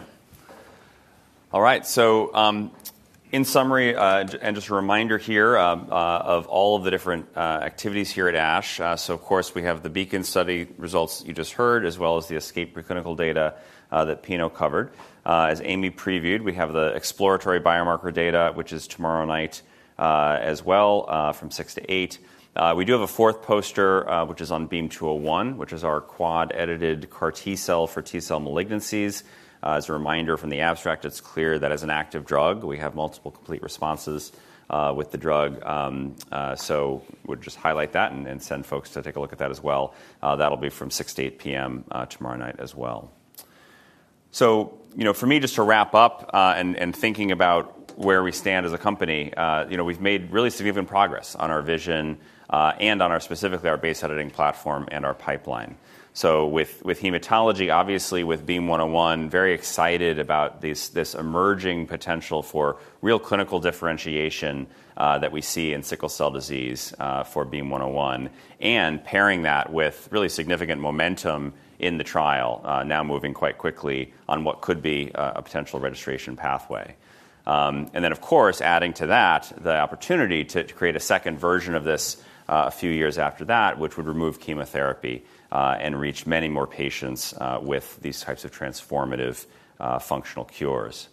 All right. So in summary, and just a reminder here of all of the different activities here at ASH. So of course, we have the BEACON study results you just heard, as well as the ESCAPE preclinical data that Pino covered. As Amy previewed, we have the exploratory biomarker data, which is tomorrow night as well from 6:00 P.M. to 8:00 P.M. We do have a fourth poster, which is on BEAM-201, which is our quad-edited CAR T cell for T cell malignancies. As a reminder from the abstract, it's clear that as an active drug, we have multiple complete responses with the drug. So we'll just highlight that and send folks to take a look at that as well. That'll be from 6:00 P.M. to 8:00 P.M. tomorrow night as well. So for me, just to wrap up and thinking about where we stand as a company, we've made really significant progress on our vision and on specifically our base editing platform and our pipeline. So with hematology, obviously, with BEAM-101, very excited about this emerging potential for real clinical differentiation that we see in sickle cell disease for BEAM-101, and pairing that with really significant momentum in the trial, now moving quite quickly on what could be a potential registration pathway. And then, of course, adding to that the opportunity to create a second version of this a few years after that, which would remove chemotherapy and reach many more patients with these types of transformative functional cures.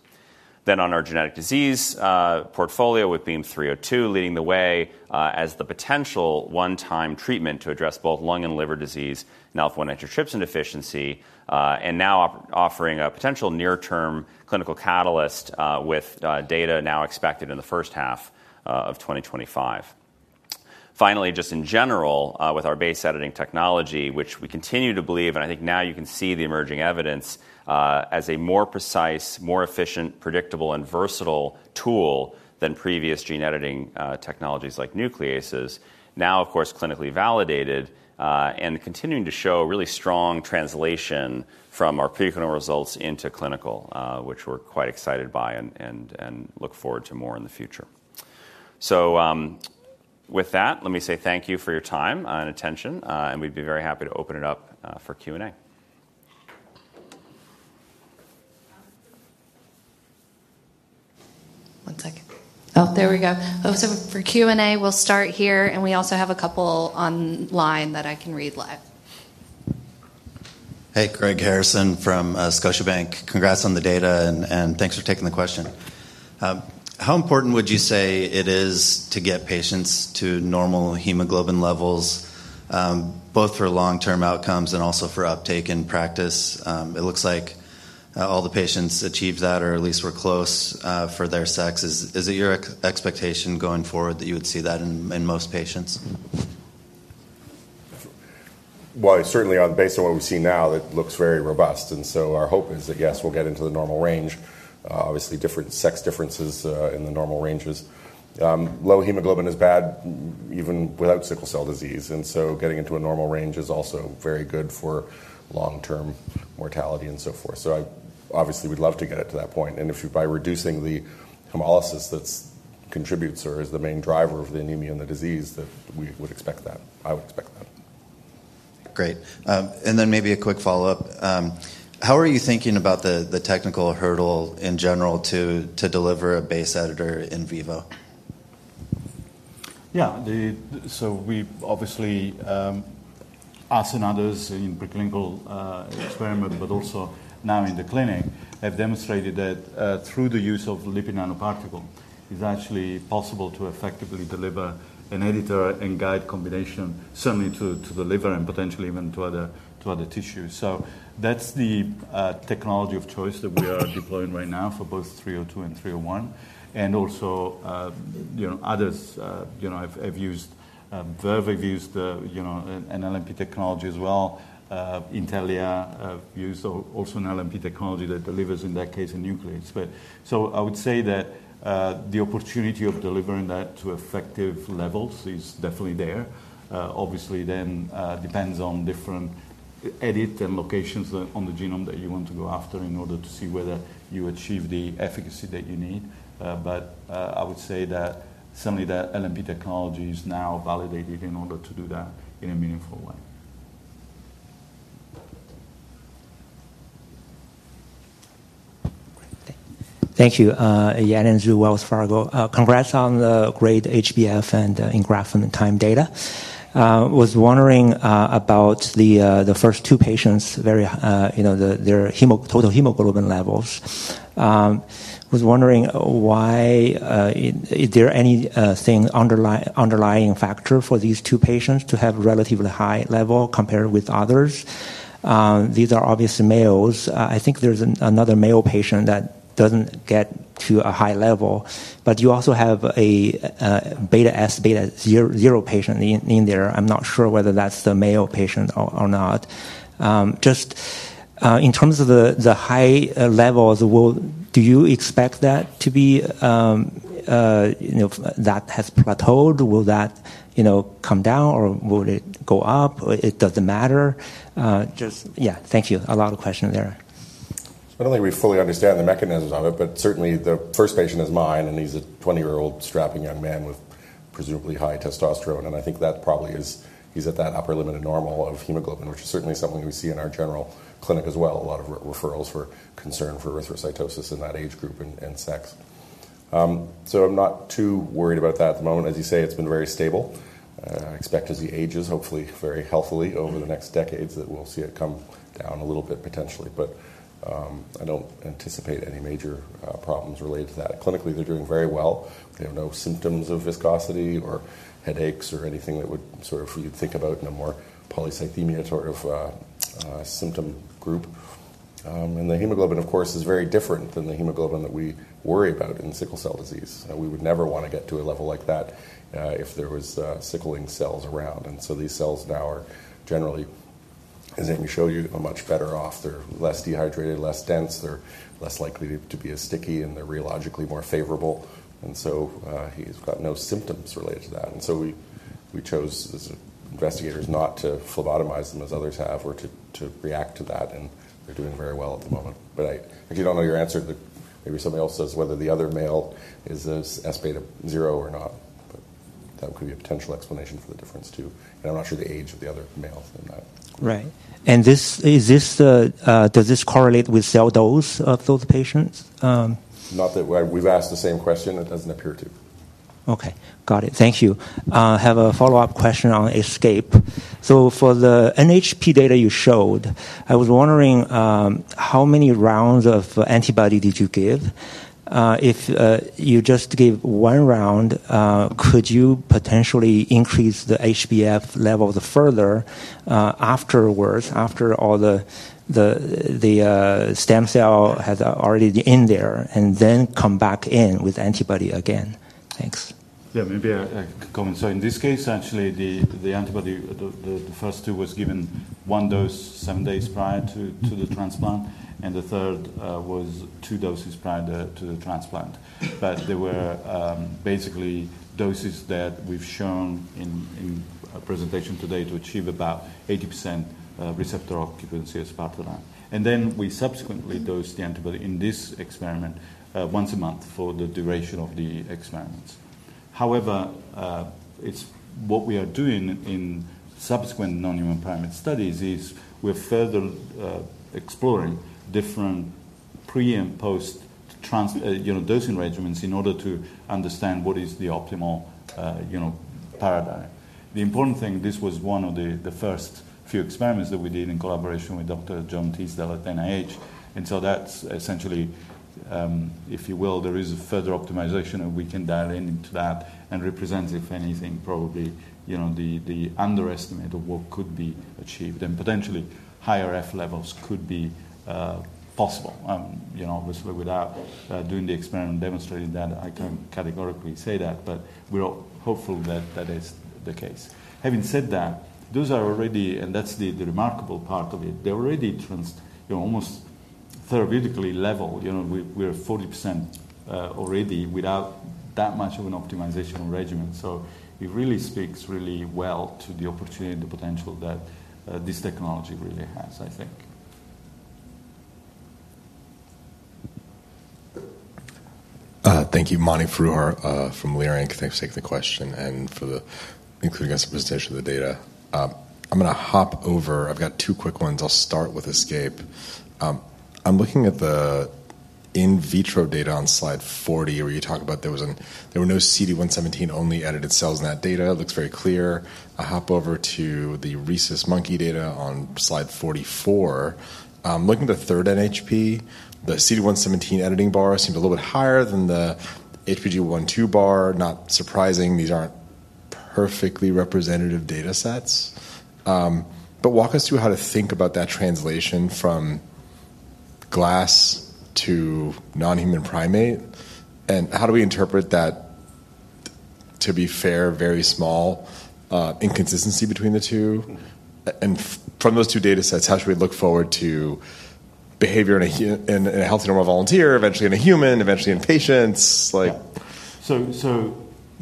Then on our genetic disease portfolio with BEAM-302, leading the way as the potential one-time treatment to address both lung and liver disease, now for alpha-1 antitrypsin deficiency, and now offering a potential near-term clinical catalyst with data now expected in the first half of 2025. Finally, just in general with our base editing technology, which we continue to believe, and I think now you can see the emerging evidence as a more precise, more efficient, predictable, and versatile tool than previous gene editing technologies like nucleases, now, of course, clinically validated and continuing to show really strong translation from our preclinical results into clinical, which we're quite excited by and look forward to more in the future. So with that, let me say thank you for your time and attention. And we'd be very happy to open it up for Q&A. One second. Oh, there we go. So for Q&A, we'll start here. And we also have a couple online that I can read live. Hey, Greg Harrison from Scotiabank. Congrats on the data. Thanks for taking the question. How important would you say it is to get patients to normal hemoglobin levels, both for long-term outcomes and also for uptake in practice? It looks like all the patients achieve that, or at least were close for their sex. Is it your expectation going forward that you would see that in most patients? Certainly based on what we see now, it looks very robust, and so our hope is that, yes, we'll get into the normal range. Obviously, sex differences in the normal ranges. Low hemoglobin is bad even without sickle cell disease, and so getting into a normal range is also very good for long-term mortality and so forth, so obviously, we'd love to get it to that point, and if by reducing the hemolysis that contributes or is the main driver of the anemia and the disease, that we would expect that. I would expect that. Great. And then maybe a quick follow-up. How are you thinking about the technical hurdle in general to deliver a base editor in vivo? Yeah. So we obviously us and others in preclinical experiment, but also now in the clinic, have demonstrated that through the use of lipid nanoparticle is actually possible to effectively deliver an editor and guide combination, certainly to the liver and potentially even to other tissues. So that's the technology of choice that we are deploying right now for both 302 and 301. And also others have used Verve, have used an LNP technology as well. Intellia used also an LNP technology that delivers, in that case, a nuclease. So I would say that the opportunity of delivering that to effective levels is definitely there. Obviously, then it depends on different edits and locations on the genome that you want to go after in order to see whether you achieve the efficacy that you need. But I would say that certainly the LNP technology is now validated in order to do that in a meaningful way. Thank you. Yanan Zhu, Wells Fargo. Congrats on the great HbF and engraftment time data. I was wondering about the first two patients, their total hemoglobin levels. I was wondering, is there any underlying factor for these two patients to have relatively high level compared with others? These are obviously males. I think there's another male patient that doesn't get to a high level. But you also have a beta S, beta 0 patient in there. I'm not sure whether that's the male patient or not. Just in terms of the high levels, do you expect that to be that has plateaued? Will that come down, or will it go up? It doesn't matter. Yeah, thank you. A lot of questions there. I don't think we fully understand the mechanism of it. But certainly, the first patient is mine. And he's a 20-year-old strapping young man with presumably high testosterone. And I think that probably is he's at that upper limit of normal of hemoglobin, which is certainly something we see in our general clinic as well. A lot of referrals for concern for erythrocytosis in that age group and sex. So I'm not too worried about that at the moment. As you say, it's been very stable. I expect, as he ages, hopefully very healthily over the next decades, that we'll see it come down a little bit potentially. But I don't anticipate any major problems related to that. Clinically, they're doing very well. They have no symptoms of viscosity or headaches or anything that would sort of you'd think about in a more polycythemia sort of symptom group. The hemoglobin, of course, is very different than the hemoglobin that we worry about in sickle cell disease. We would never want to get to a level like that if there were sickling cells around. These cells now are generally, as Amy showed you, much better off. They're less dehydrated, less dense. They're less likely to be as sticky. They're rheologically more favorable. He's got no symptoms related to that. We chose as investigators not to phlebotomize them as others have or to react to that. They're doing very well at the moment. I actually don't know your answer. Maybe somebody else says whether the other male is S beta 0 or not. That could be a potential explanation for the difference too. I'm not sure the age of the other male in that. Right. Does this correlate with cell dose of those patients? Not that we've asked the same question. It doesn't appear to. Okay. Got it. Thank you. I have a follow-up question on ESCAPE. So for the NHP data you showed, I was wondering how many rounds of antibody did you give? If you just gave one round, could you potentially increase the HbF levels further afterwards, after all the stem cell has already been in there, and then come back in with antibody again? Thanks. Yeah, maybe I could comment. So in this case, actually, the antibody, the first two was given one dose seven days prior to the transplant. And the third was two doses prior to the transplant. But they were basically doses that we've shown in presentation today to achieve about 80% receptor occupancy as part of that. And then we subsequently dosed the antibody in this experiment once a month for the duration of the experiments. However, what we are doing in subsequent non-human primate studies is we're further exploring different pre- and post-dosing regimens in order to understand what is the optimal paradigm. The important thing, this was one of the first few experiments that we did in collaboration with Dr. John Tisdale at NIH. And so that's essentially, if you will, there is a further optimization. And we can dial in into that and represent, if anything, probably the underestimate of what could be achieved. And potentially, higher F levels could be possible. Obviously, without doing the experiment and demonstrating that, I can't categorically say that. But we're hopeful that that is the case. Having said that, those are already and that's the remarkable part of it. They're already almost therapeutically level. We're 40% already without that much of an optimization regimen. So it really speaks really well to the opportunity and the potential that this technology really has, I think. Thank you, Mani Foroohar from Leerink. Thanks for taking the question and for including us in presentation of the data. I'm going to hop over. I've got two quick ones. I'll start with ESCAPE. I'm looking at the in vitro data on slide 40, where you talk about there were no CD117-only edited cells in that data. It looks very clear. I hop over to the rhesus monkey data on slide 44. Looking at the third NHP, the CD117 editing bar seemed a little bit higher than the HBG1/2 bar. Not surprising. These aren't perfectly representative data sets, but walk us through how to think about that translation from glass to non-human primate, and how do we interpret that, to be fair, very small inconsistency between the two? From those two data sets, how should we look forward to behavior in a healthy normal volunteer, eventually in a human, eventually in patients? So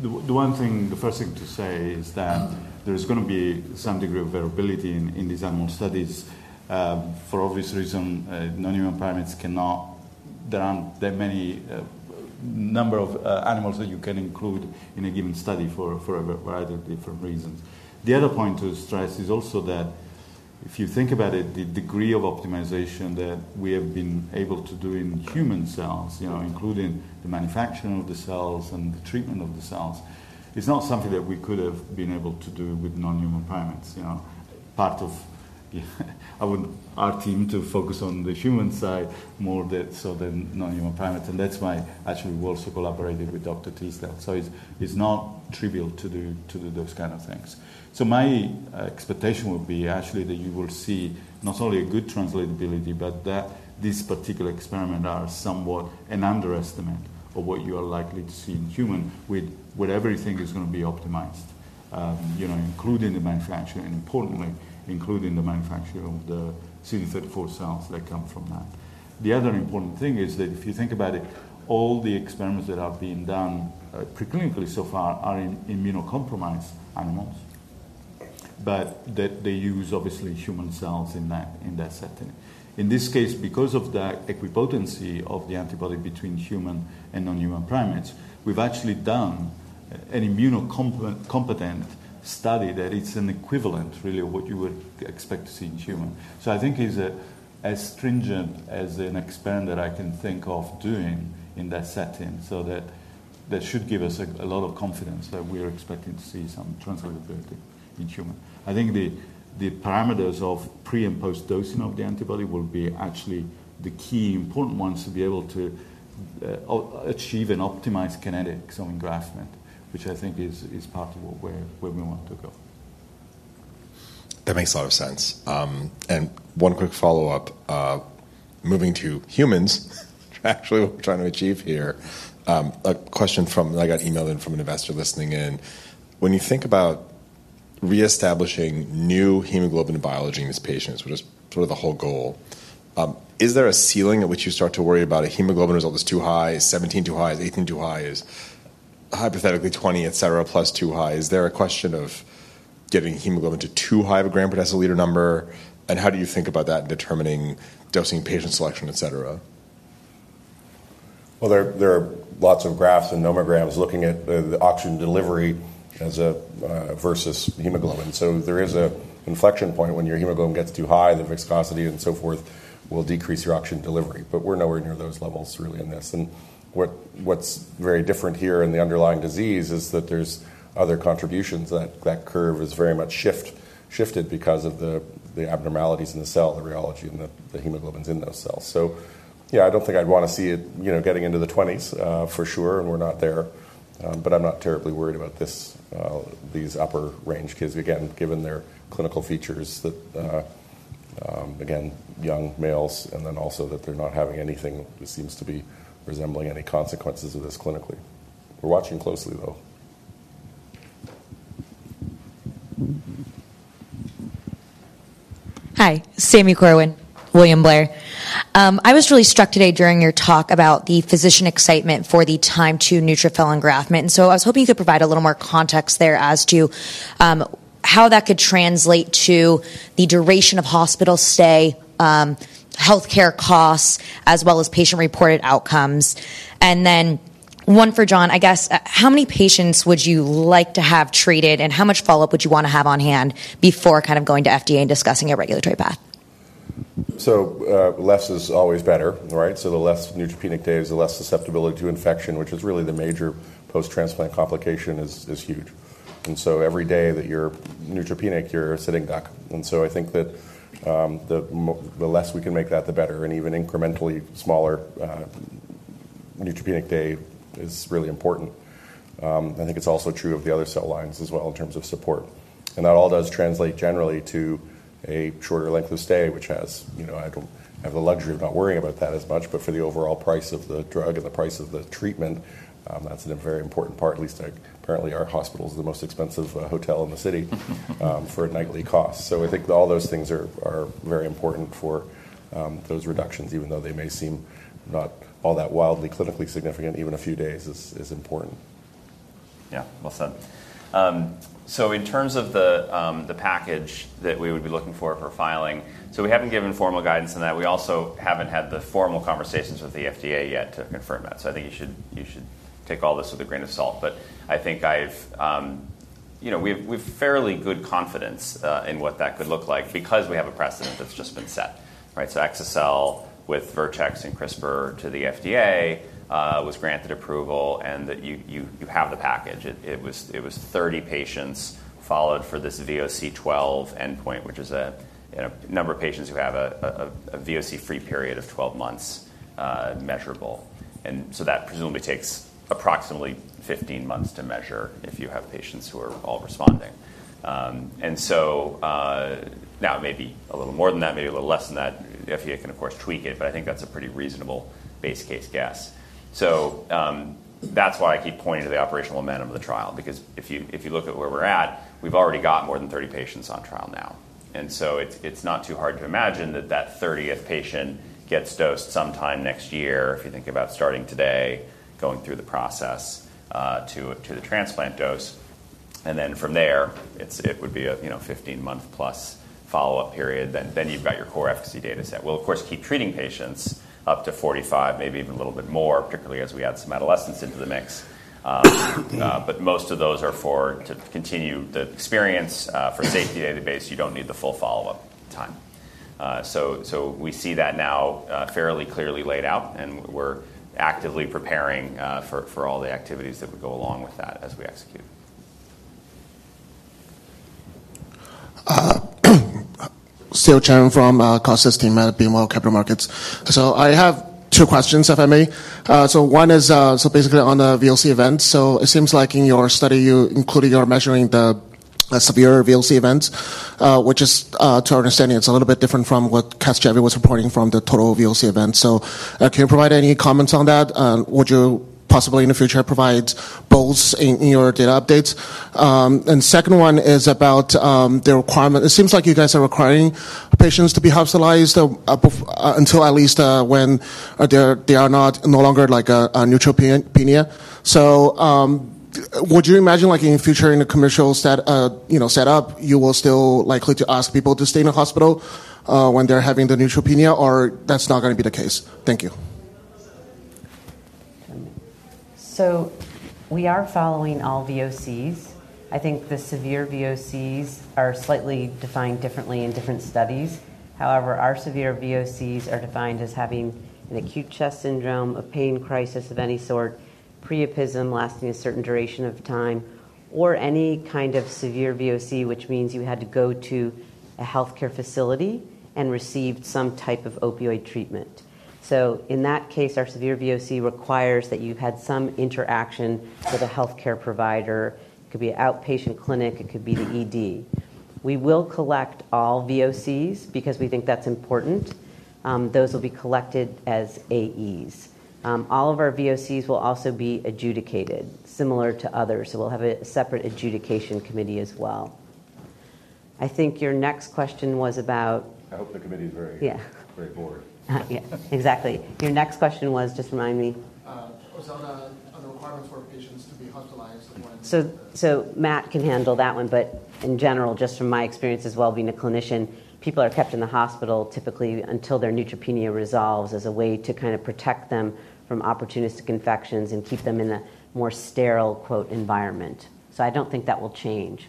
the first thing to say is that there is going to be some degree of variability in these animal studies. For obvious reasons, non-human primates. There are a limited number of animals that you can include in a given study for a variety of different reasons. The other point to stress is also that if you think about it, the degree of optimization that we have been able to do in human cells, including the manufacturing of the cells and the treatment of the cells, is not something that we could have been able to do with non-human primates. Part of our team to focus on the human side more so than non-human primates, and that's why actually we also collaborated with Dr. Tisdale, so it's not trivial to do those kind of things. My expectation would be actually that you will see not only a good translatability, but that this particular experiment are somewhat an underestimate of what you are likely to see in human with whatever you think is going to be optimized, including the manufacturing and importantly, including the manufacturing of the CD34 cells that come from that. The other important thing is that if you think about it, all the experiments that have been done preclinically so far are in immunocompromised animals. But they use obviously human cells in that setting. In this case, because of the equipotency of the antibody between human and non-human primates, we've actually done an immunocompetent study that it's an equivalent really of what you would expect to see in human. I think it's as stringent as an experiment that I can think of doing in that setting. So that should give us a lot of confidence that we are expecting to see some translatability in human. I think the parameters of pre- and post-dosing of the antibody will be actually the key important ones to be able to achieve and optimize kinetics of engraftment, which I think is part of where we want to go. That makes a lot of sense. And one quick follow-up. Moving to humans, actually what we're trying to achieve here, a question from I got emailed in from an investor listening in. When you think about reestablishing new hemoglobin biology in these patients, which is sort of the whole goal, is there a ceiling at which you start to worry about a hemoglobin result that's too high, 17 too high, 18 too high, hypothetically 20, et cetera, plus too high? Is there a question of getting hemoglobin to too high of a gram per deciliter number? And how do you think about that in determining dosing patient selection, et cetera? There are lots of graphs and nomograms looking at the oxygen delivery versus hemoglobin, so there is an inflection point when your hemoglobin gets too high. The viscosity and so forth will decrease your oxygen delivery, but we're nowhere near those levels really in this, and what's very different here in the underlying disease is that there's other contributions that that curve has very much shifted because of the abnormalities in the cell, the rheology, and the hemoglobins in those cells, so yeah, I don't think I'd want to see it getting into the 20s for sure, and we're not there, but I'm not terribly worried about these upper range kids, again, given their clinical features that, again, young males, and then also that they're not having anything that seems to be resembling any consequences of this clinically. We're watching closely, though. Hi, Sami Corwin, William Blair. I was really struck today during your talk about the physician excitement for the time to neutrophil engraftment. And so I was hoping you could provide a little more context there as to how that could translate to the duration of hospital stay, health care costs, as well as patient reported outcomes? And then one for John, I guess, how many patients would you like to have treated? And how much follow-up would you want to have on hand before kind of going to FDA and discussing a regulatory path? So less is always better, right? So the less neutropenic days, the less susceptibility to infection, which is really the major post-transplant complication, is huge. And so every day that you're neutropenic, you're a sitting duck. And so I think that the less we can make that, the better. And even incrementally smaller neutropenic day is really important. I think it's also true of the other cell lines as well in terms of support. And that all does translate generally to a shorter length of stay, which I don't have the luxury of not worrying about that as much. But for the overall price of the drug and the price of the treatment, that's a very important part. At least apparently, our hospital is the most expensive hotel in the city for nightly costs. So I think all those things are very important for those reductions, even though they may seem not all that wildly clinically significant. Even a few days is important. Yeah, well said. So in terms of the package that we would be looking for for filing, so we haven't given formal guidance on that. We also haven't had the formal conversations with the FDA yet to confirm that. So I think you should take all this with a grain of salt. But I think we have fairly good confidence in what that could look like because we have a precedent that's just been set. So exa-cel with Vertex and CRISPR to the FDA was granted approval. And you have the package. It was 30 patients followed for this VOC-12 endpoint, which is a number of patients who have a VOC-free period of 12 months measurable. And so that presumably takes approximately 15 months to measure if you have patients who are all responding. And so now it may be a little more than that, maybe a little less than that. The FDA can, of course, tweak it. But I think that's a pretty reasonable base case guess. So that's why I keep pointing to the operational momentum of the trial. Because if you look at where we're at, we've already got more than 30 patients on trial now. And so it's not too hard to imagine that that 30th patient gets dosed sometime next year, if you think about starting today, going through the process to the transplant dose. And then from there, it would be a 15-month-plus follow-up period. Then you've got your core efficacy data set. We'll, of course, keep treating patients up to 45, maybe even a little bit more, particularly as we add some adolescents into the mix. But most of those are for to continue the experience. For safety database, you don't need the full follow-up time. So we see that now fairly clearly laid out. And we're actively preparing for all the activities that would go along with that as we execute. [Sale Chen] from Kostas team at BMO Capital Markets. So I have two questions, if I may. So one is basically on the VOC events. So it seems like in your study, you included you're measuring the severe VOC events, which is, to our understanding, it's a little bit different from what Casgevy was reporting from the total VOC events. So can you provide any comments on that? Would you possibly, in the future, provide both in your data updates? And the second one is about the requirement. It seems like you guys are requiring patients to be hospitalized until at least when they are no longer like a neutropenia. So would you imagine in future, in a commercial setup, you will still likely to ask people to stay in the hospital when they're having the neutropenia? Or that's not going to be the case? Thank you. So we are following all VOCs. I think the severe VOCs are slightly defined differently in different studies. However, our severe VOCs are defined as having an acute chest syndrome, a pain crisis of any sort, priapism lasting a certain duration of time, or any kind of severe VOC, which means you had to go to a health care facility and received some type of opioid treatment. So in that case, our severe VOC requires that you've had some interaction with a health care provider. It could be an outpatient clinic. It could be the ED. We will collect all VOCs because we think that's important. Those will be collected as AEs. All of our VOCs will also be adjudicated, similar to others. So we'll have a separate adjudication committee as well. I think your next question was about. I hope the committee is very bored. Yeah, exactly. Your next question was, just remind me? Is that a requirement for patients to be hospitalized? Matt can handle that one. But in general, just from my experience as well, being a clinician, people are kept in the hospital typically until their neutropenia resolves as a way to kind of protect them from opportunistic infections and keep them in a more sterile "environment." I don't think that will change.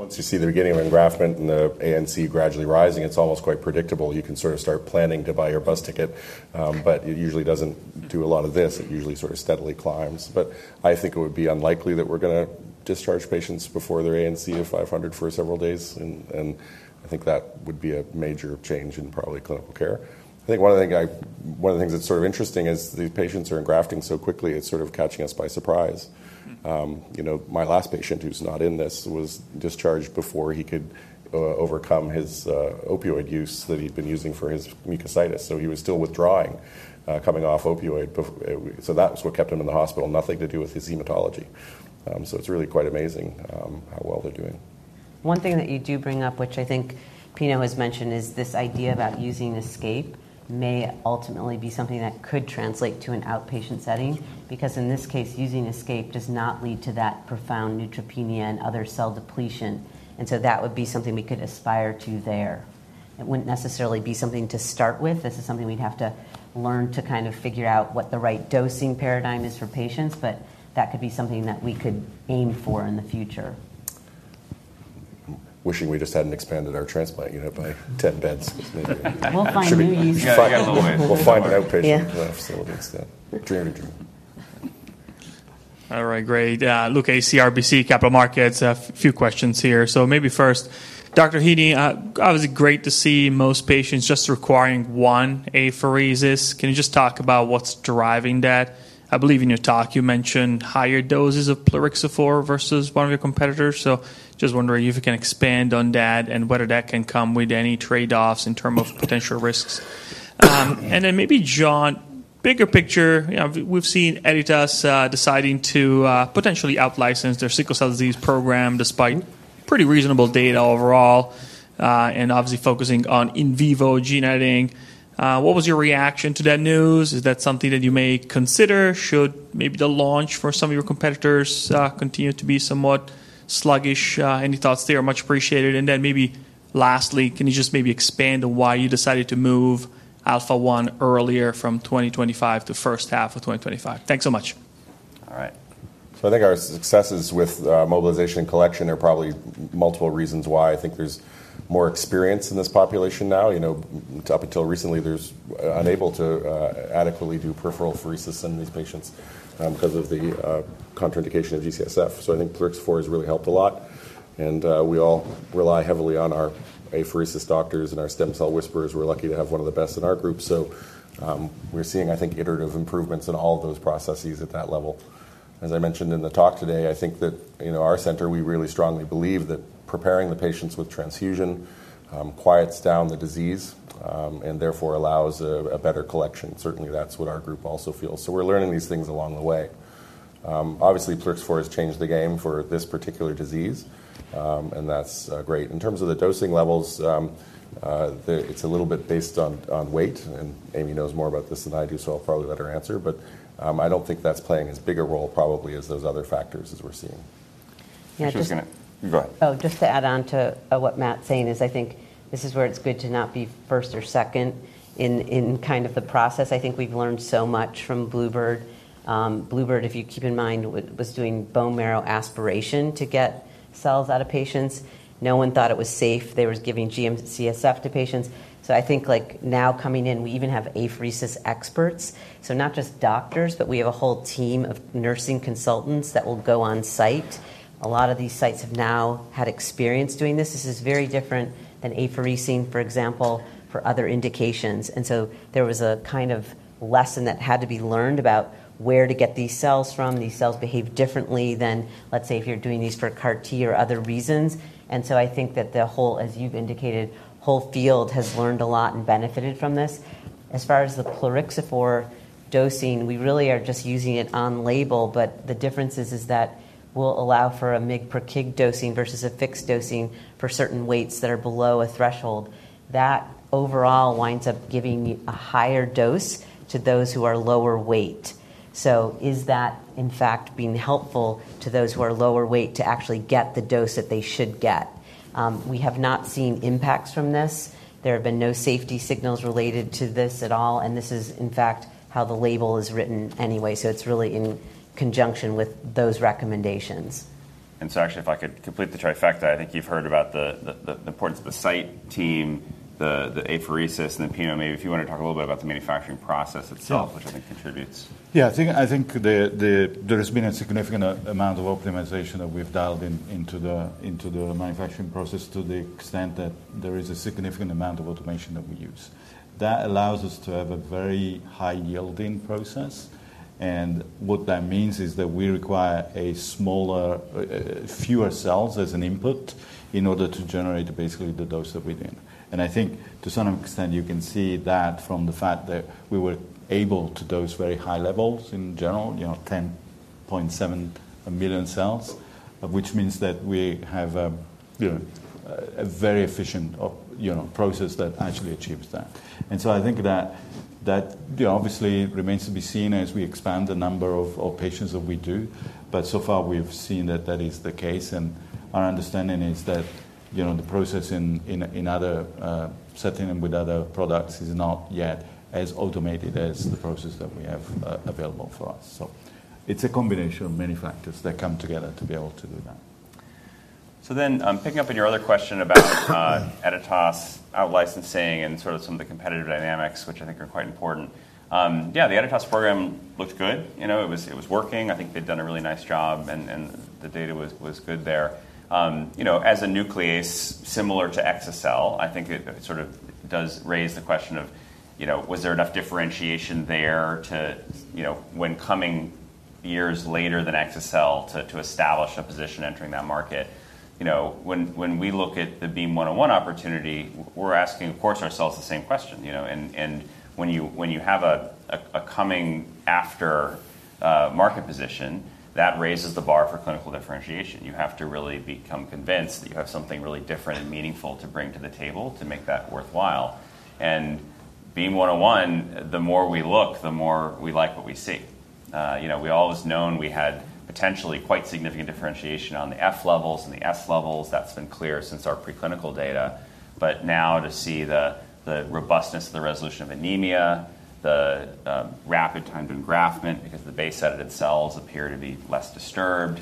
Once you see the beginning of engraftment and the ANC gradually rising, it's almost quite predictable. You can sort of start planning to buy your bus ticket. But it usually doesn't do a lot of this. It usually sort of steadily climbs. But I think it would be unlikely that we're going to discharge patients before their ANC of 500 for several days. And I think that would be a major change in probably clinical care. I think one of the things that's sort of interesting is these patients are engrafting so quickly, it's sort of catching us by surprise. My last patient who's not in this was discharged before he could overcome his opioid use that he'd been using for his mucositis. So he was still withdrawing, coming off opioid. So that's what kept him in the hospital, nothing to do with his hematology. So it's really quite amazing how well they're doing. One thing that you do bring up, which I think Pino has mentioned, is this idea about using ESCAPE may ultimately be something that could translate to an outpatient setting. Because in this case, using ESCAPE does not lead to that profound neutropenia and other cell depletion, and so that would be something we could aspire to there. It wouldn't necessarily be something to start with. This is something we'd have to learn to kind of figure out what the right dosing paradigm is for patients, but that could be something that we could aim for in the future. Wishing we just hadn't expanded our transplant unit by 10 beds. We'll find new uses. We'll find an outpatient facility instead. Dream of a dream. All right, great. Luca Issi, RBC Capital Markets. A few questions here. So maybe first, Dr. Heeney, obviously great to see most patients just requiring one apheresis. Can you just talk about what's driving that? I believe in your talk you mentioned higher doses of plerixafor versus one of your competitors. So just wondering if you can expand on that and whether that can come with any trade-offs in terms of potential risks. And then maybe John, bigger picture. We've seen Editas deciding to potentially out-license their sickle cell disease program despite pretty reasonable data overall and obviously focusing on in vivo gene editing. What was your reaction to that news? Is that something that you may consider should maybe the launch for some of your competitors continue to be somewhat sluggish? Any thoughts there? Much appreciated. And then maybe lastly, can you just maybe expand on why you decided to move Alpha-1 earlier from 2025 to the first half of 2025? Thanks so much. All right. So I think our successes with mobilization collection, there are probably multiple reasons why. I think there's more experience in this population now. Up until recently, there's unable to adequately do peripheral apheresis in these patients because of the contraindication of G-CSF. So I think plerixafor has really helped a lot. And we all rely heavily on our apheresis doctors and our stem cell whisperers. We're lucky to have one of the best in our group. So we're seeing, I think, iterative improvements in all of those processes at that level. As I mentioned in the talk today, I think that our center, we really strongly believe that preparing the patients with transfusion quiets down the disease and therefore allows a better collection. Certainly, that's what our group also feels. So we're learning these things along the way. Obviously, plerixafor has changed the game for this particular disease. That's great. In terms of the dosing levels, it's a little bit based on weight. Amy knows more about this than I do, so I'll probably better answer. I don't think that's playing as big a role probably as those other factors as we're seeing. Yeah, just. Go ahead. Oh, just to add on to what Matt's saying is I think this is where it's good to not be first or second in kind of the process. I think we've learned so much from Bluebird. Bluebird, if you keep in mind, was doing bone marrow aspiration to get cells out of patients. No one thought it was safe. They were giving GMCSF to patients. So I think now coming in, we even have apheresis experts. So not just doctors, but we have a whole team of nursing consultants that will go on site. A lot of these sites have now had experience doing this. This is very different than apheresing, for example, for other indications. And so there was a kind of lesson that had to be learned about where to get these cells from. These cells behave differently than, let's say, if you're doing these for CAR-T or other reasons. And so I think that the whole, as you've indicated, whole field has learned a lot and benefited from this. As far as the plerixafor dosing, we really are just using it on label. But the difference is that we'll allow for a mg per kg dosing versus a fixed dosing for certain weights that are below a threshold. That overall winds up giving a higher dose to those who are lower weight. So is that, in fact, being helpful to those who are lower weight to actually get the dose that they should get? We have not seen impacts from this. There have been no safety signals related to this at all. And this is, in fact, how the label is written anyway. So it's really in conjunction with those recommendations. And so, actually, if I could complete the trifecta, I think you've heard about the importance of the site team, the apheresis, and then Pino, maybe if you want to talk a little bit about the manufacturing process itself, which I think contributes. Yeah, I think there has been a significant amount of optimization that we've dialed into the manufacturing process to the extent that there is a significant amount of automation that we use. That allows us to have a very high yielding process. And what that means is that we require fewer cells as an input in order to generate basically the dose that we need. And I think to some extent, you can see that from the fact that we were able to dose very high levels in general, 10.7 million cells, which means that we have a very efficient process that actually achieves that. And so I think that that obviously remains to be seen as we expand the number of patients that we do. But so far, we've seen that that is the case. Our understanding is that the process in other setting and with other products is not yet as automated as the process that we have available for us. It's a combination of many factors that come together to be able to do that. Then picking up on your other question about Editas out-licensing and sort of some of the competitive dynamics, which I think are quite important. Yeah, the Editas program looked good. It was working. I think they'd done a really nice job. And the data was good there. As a nuclease similar to exa-cel, I think it sort of does raise the question of, was there enough differentiation there when coming in years later than exa-cel to establish a position entering that market? When we look at the BEAM-101 opportunity, we're asking, of course, ourselves the same question. And when you have a coming-after market position, that raises the bar for clinical differentiation. You have to really become convinced that you have something really different and meaningful to bring to the table to make that worthwhile. And BEAM-101, the more we look, the more we like what we see. We've always known we had potentially quite significant differentiation on the F levels and the S levels. That's been clear since our preclinical data. But now to see the robustness of the resolution of anemia, the rapid time to engraftment because the base-edited cells appear to be less disturbed,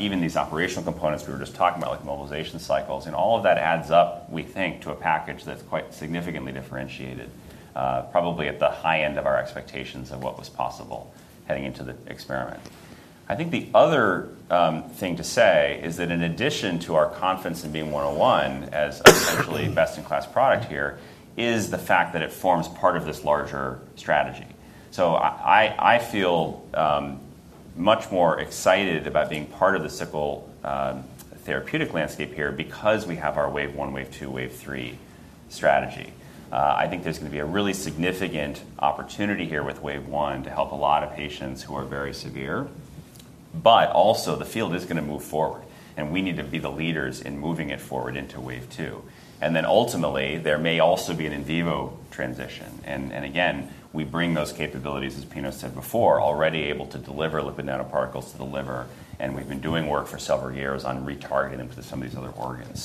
even these operational components we were just talking about, like mobilization cycles. And all of that adds up, we think, to a package that's quite significantly differentiated, probably at the high end of our expectations of what was possible heading into the experiment. I think the other thing to say is that in addition to our confidence in BEAM-101 as essentially best-in-class product here is the fact that it forms part of this larger strategy. So I feel much more excited about being part of the sickle therapeutic landscape here because we have our wave one, wave two, wave three strategy. I think there's going to be a really significant opportunity here with wave one to help a lot of patients who are very severe. But also, the field is going to move forward. And we need to be the leaders in moving it forward into wave two. And then ultimately, there may also be an in vivo transition. And again, we bring those capabilities, as Pino said before, already able to deliver lipid nanoparticles to the liver. And we've been doing work for several years on retargeting to some of these other organs.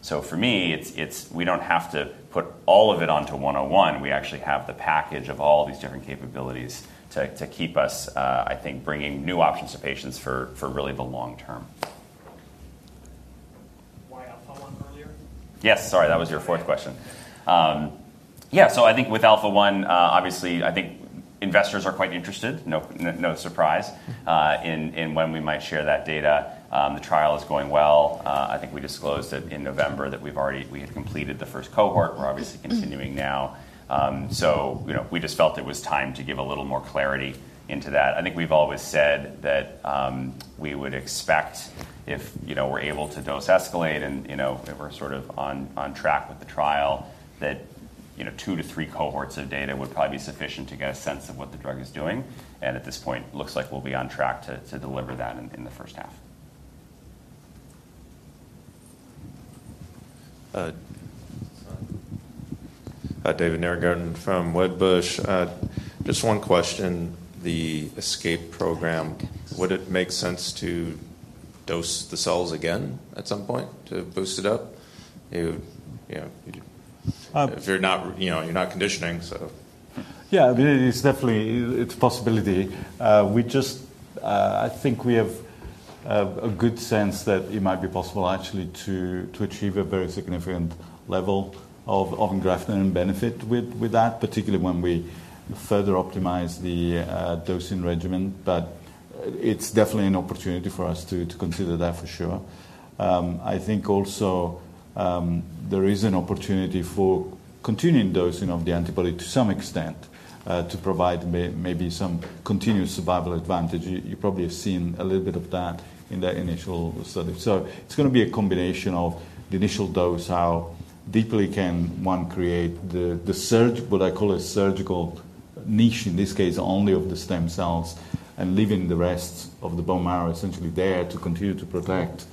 So for me, we don't have to put all of it onto 101. We actually have the package of all these different capabilities to keep us, I think, bringing new options to patients for really the long term. Why Alpha-1 earlier? Yes, sorry. That was your fourth question. Yeah, so I think with Alpha-1, obviously, I think investors are quite interested, no surprise, in when we might share that data. The trial is going well. I think we disclosed it in November that we had completed the first cohort. We're obviously continuing now. So we just felt it was time to give a little more clarity into that. I think we've always said that we would expect if we're able to dose escalate and if we're sort of on track with the trial, that two to three cohorts of data would probably be sufficient to get a sense of what the drug is doing, and at this point, it looks like we'll be on track to deliver that in the first half. David Nierengarten from Wedbush. Just one question. The ESCAPE program, would it make sense to dose the cells again at some point to boost it up? If you're not conditioning, so. Yeah, I mean, it's definitely a possibility. I think we have a good sense that it might be possible actually to achieve a very significant level of engraftment benefit with that, particularly when we further optimize the dosing regimen. But it's definitely an opportunity for us to consider that for sure. I think also there is an opportunity for continuing dosing of the antibody to some extent to provide maybe some continuous survival advantage. You probably have seen a little bit of that in that initial study. So it's going to be a combination of the initial dose, how deeply can one create the surgical, what I call a surgical niche, in this case only of the stem cells, and leaving the rest of the bone marrow essentially there to continue to protect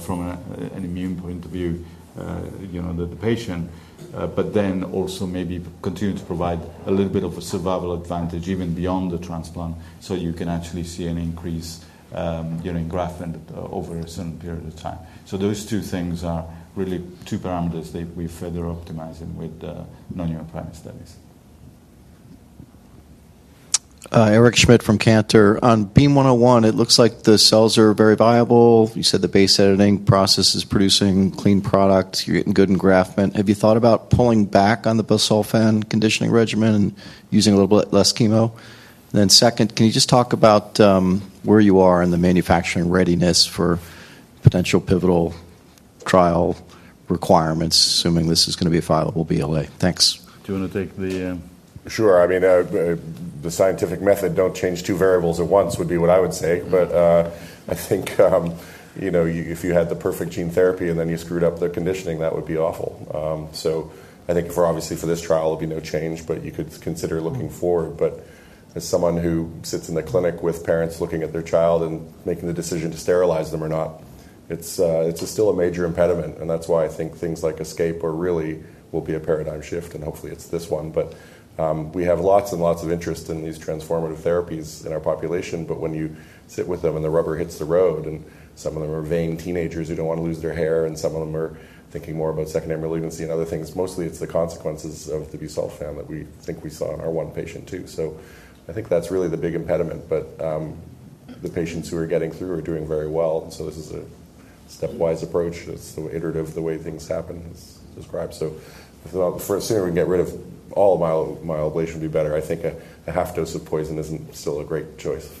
from an immune point of view the patient, but then also maybe continue to provide a little bit of a survival advantage even beyond the transplant so you can actually see an increase in engraftment over a certain period of time. So those two things are really two parameters that we're further optimizing with the non-human primate studies. Eric Schmidt from Cantor. On BEAM-101, it looks like the cells are very viable. You said the base-editing process is producing clean product. You're getting good engraftment. Have you thought about pulling back on the busulfan conditioning regimen and using a little bit less chemo? And then second, can you just talk about where you are in the manufacturing readiness for potential pivotal trial requirements, assuming this is going to be a viable BLA? Thanks. Do you want to take the? Sure. I mean, the scientific method, don't change two variables at once would be what I would say. But I think if you had the perfect gene therapy and then you screwed up the conditioning, that would be awful. So I think obviously for this trial, it would be no change, but you could consider looking forward. But as someone who sits in the clinic with parents looking at their child and making the decision to sterilize them or not, it's still a major impediment. And that's why I think things like ESCAPE are really will be a paradigm shift. And hopefully, it's this one. But we have lots and lots of interest in these transformative therapies in our population. But when you sit with them and the rubber hits the road, and some of them are vain teenagers who don't want to lose their hair, and some of them are thinking more about secondary malignancy and other things, mostly it's the consequences of the busulfan that we think we saw in our one patient too. So I think that's really the big impediment. But the patients who are getting through are doing very well. And so this is a stepwise approach. It's iterative the way things happen, as described. So the sooner we can get rid of all myeloablation, it would be better. I think a half dose of poison isn't still a great choice.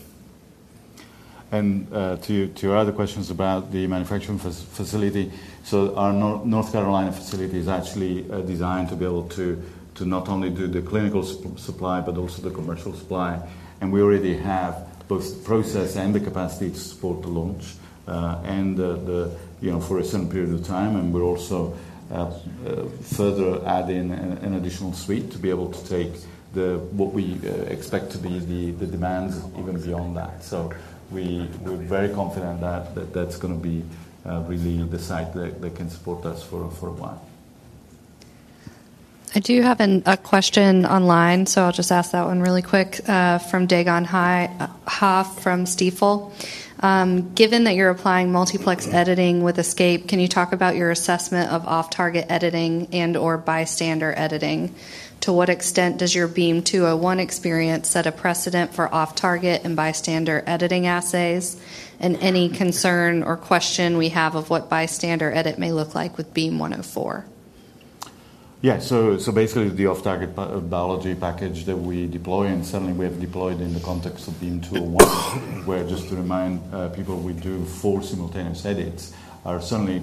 To your other questions about the manufacturing facility, so our North Carolina facility is actually designed to be able to not only do the clinical supply but also the commercial supply. We already have both the process and the capacity to support the launch and for a certain period of time. We're also further adding an additional suite to be able to take what we expect to be the demands even beyond that. We're very confident that that's going to be really the site that can support us for a while. I do have a question online. So I'll just ask that one really quick from Dae Gon Ha from Stifel. Given that you're applying multiplex editing with ESCAPE, can you talk about your assessment of off-target editing and/or bystander editing? To what extent does your BEAM-201 experience set a precedent for off-target and bystander editing assays? And any concern or question we have of what bystander edit may look like with BEAM-104? Yeah, so basically the off-target biology package that we deploy, and certainly we have deployed in the context of BEAM-201, where just to remind people, we do full simultaneous edits, are certainly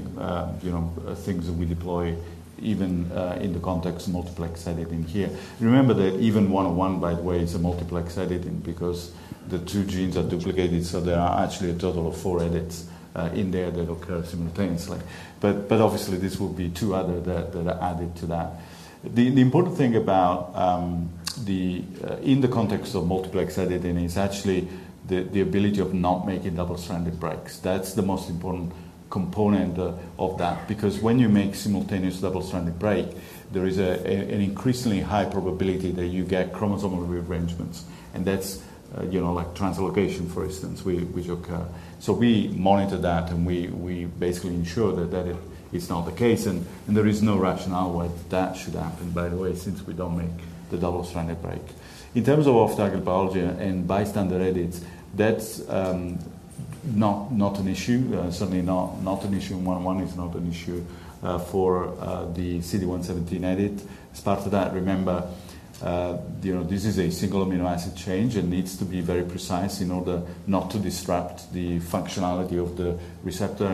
things that we deploy even in the context of multiplex editing here. Remember that even BEAM-101, by the way, is a multiplex editing because the two genes are duplicated. So there are actually a total of four edits in there that occur simultaneously. But obviously, this will be two other that are added to that. The important thing in the context of multiplex editing is actually the ability of not making double-stranded breaks. That's the most important component of that. Because when you make simultaneous double-stranded break, there is an increasingly high probability that you get chromosomal rearrangements. And that's like translocation, for instance, which occur. So we monitor that. We basically ensure that it's not the case. There is no rationale why that should happen, by the way, since we don't make the double-stranded break. In terms of off-target biology and bystander edits, that's not an issue. Certainly not an issue. 101 is not an issue for the CD117 edit. As part of that, remember, this is a single amino acid change. It needs to be very precise in order not to disrupt the functionality of the receptor.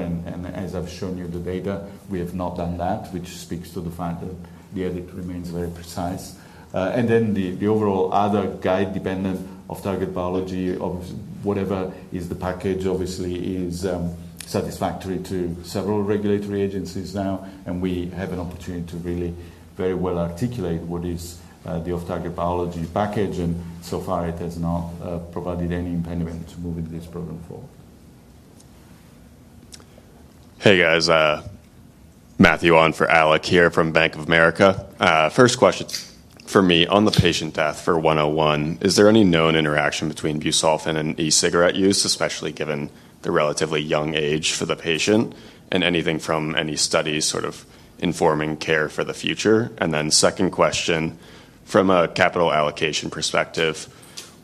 As I've shown you the data, we have not done that, which speaks to the fact that the edit remains very precise. Then the overall other guide dependent off-target biology, whatever is the package, obviously is satisfactory to several regulatory agencies now. We have an opportunity to really very well articulate what is the off-target biology package. So far, it has not provided any impediment to moving this program forward. Hey, guys. Matthew Ong for Alec here from Bank of America. First question for me on the patient death for 101, is there any known interaction between busulfan and e-cigarette use, especially given the relatively young age for the patient? And anything from any studies sort of informing care for the future? And then second question, from a capital allocation perspective,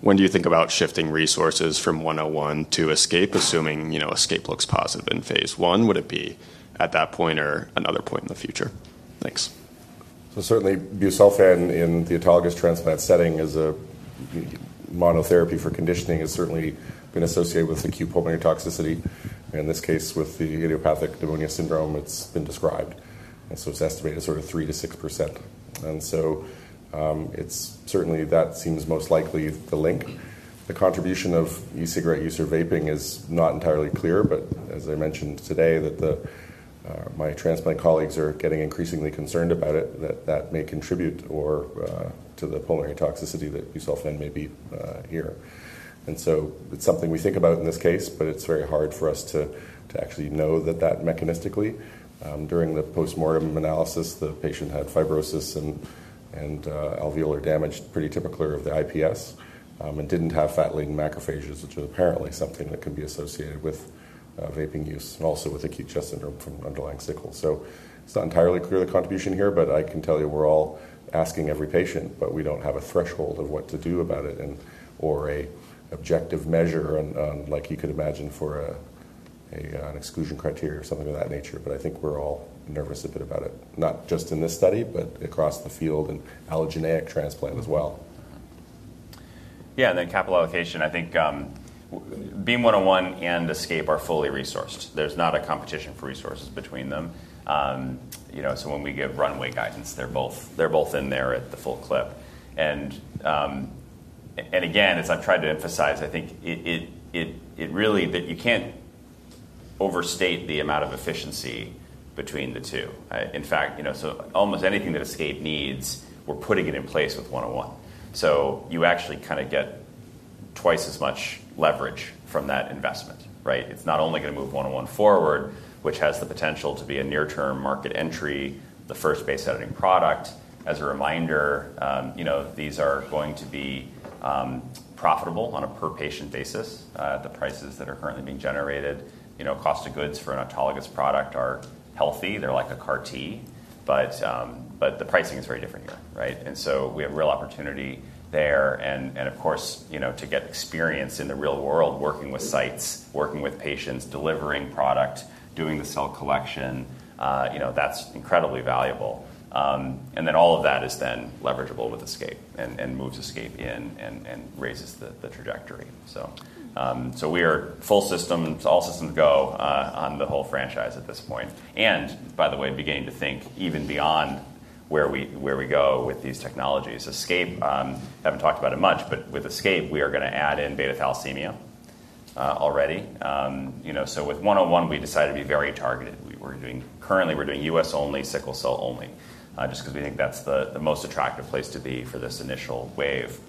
when do you think about shifting resources from 101 to ESCAPE, assuming ESCAPE looks positive in phase I? Would it be at that point or another point in the future? Thanks. Certainly, busulfan in the autologous transplant setting as a monotherapy for conditioning has certainly been associated with acute pulmonary toxicity. And in this case, with the idiopathic pneumonia syndrome, it's been described. And so it's estimated sort of 3%-6%. And so certainly, that seems most likely the link. The contribution of e-cigarette use or vaping is not entirely clear. But as I mentioned today, my transplant colleagues are getting increasingly concerned about it, that that may contribute to the pulmonary toxicity that busulfan may be here. And so it's something we think about in this case, but it's very hard for us to actually know that that mechanistically. During the post-mortem analysis, the patient had fibrosis and alveolar damage pretty typical of the IPS and didn't have fat-laden macrophages, which is apparently something that can be associated with vaping use and also with acute chest syndrome from underlying sickle. So it's not entirely clear the contribution here. But I can tell you we're all asking every patient, but we don't have a threshold of what to do about it or an objective measure, like you could imagine, for an exclusion criteria or something of that nature. But I think we're all nervous a bit about it, not just in this study, but across the field and allogeneic transplant as well. Yeah, and then capital allocation. I think BEAM-101 and ESCAPE are fully resourced. There's not a competition for resources between them. So when we give runway guidance, they're both in there at the full clip. And again, I've tried to emphasize, I think it really that you can't overstate the amount of efficiency between the two. In fact, so almost anything that ESCAPE needs, we're putting it in place with 101. So you actually kind of get twice as much leverage from that investment, right? It's not only going to move 101 forward, which has the potential to be a near-term market entry, the first base-editing product. As a reminder, these are going to be profitable on a per-patient basis. The prices that are currently being generated, cost of goods for an autologous product are healthy. They're like a CAR-T. But the pricing is very different here, right? And so we have real opportunity there. And of course, to get experience in the real world working with sites, working with patients, delivering product, doing the cell collection, that's incredibly valuable. And then all of that is then leverageable with ESCAPE and moves ESCAPE in and raises the trajectory. So we are full steam, all systems go on the whole franchise at this point. And by the way, beginning to think even beyond where we go with these technologies. ESCAPE, haven't talked about it much, but with ESCAPE, we are going to add in beta-thalassemia already. So with 101, we decided to be very targeted. Currently, we're doing U.S. only, sickle cell only, just because we think that's the most attractive place to be for this initial wave.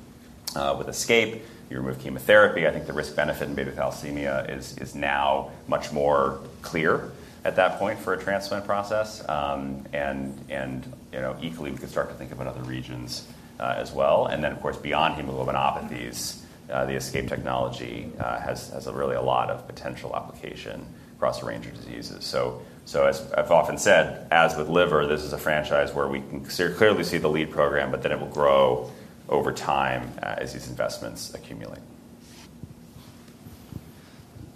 With ESCAPE, you remove chemotherapy. I think the risk-benefit in beta-thalassemia is now much more clear at that point for a transplant process. And equally, we could start to think about other regions as well. And then, of course, beyond hemoglobinopathies, the ESCAPE technology has really a lot of potential application across a range of diseases. So as I've often said, as with liver, this is a franchise where we can clearly see the lead program, but then it will grow over time as these investments accumulate.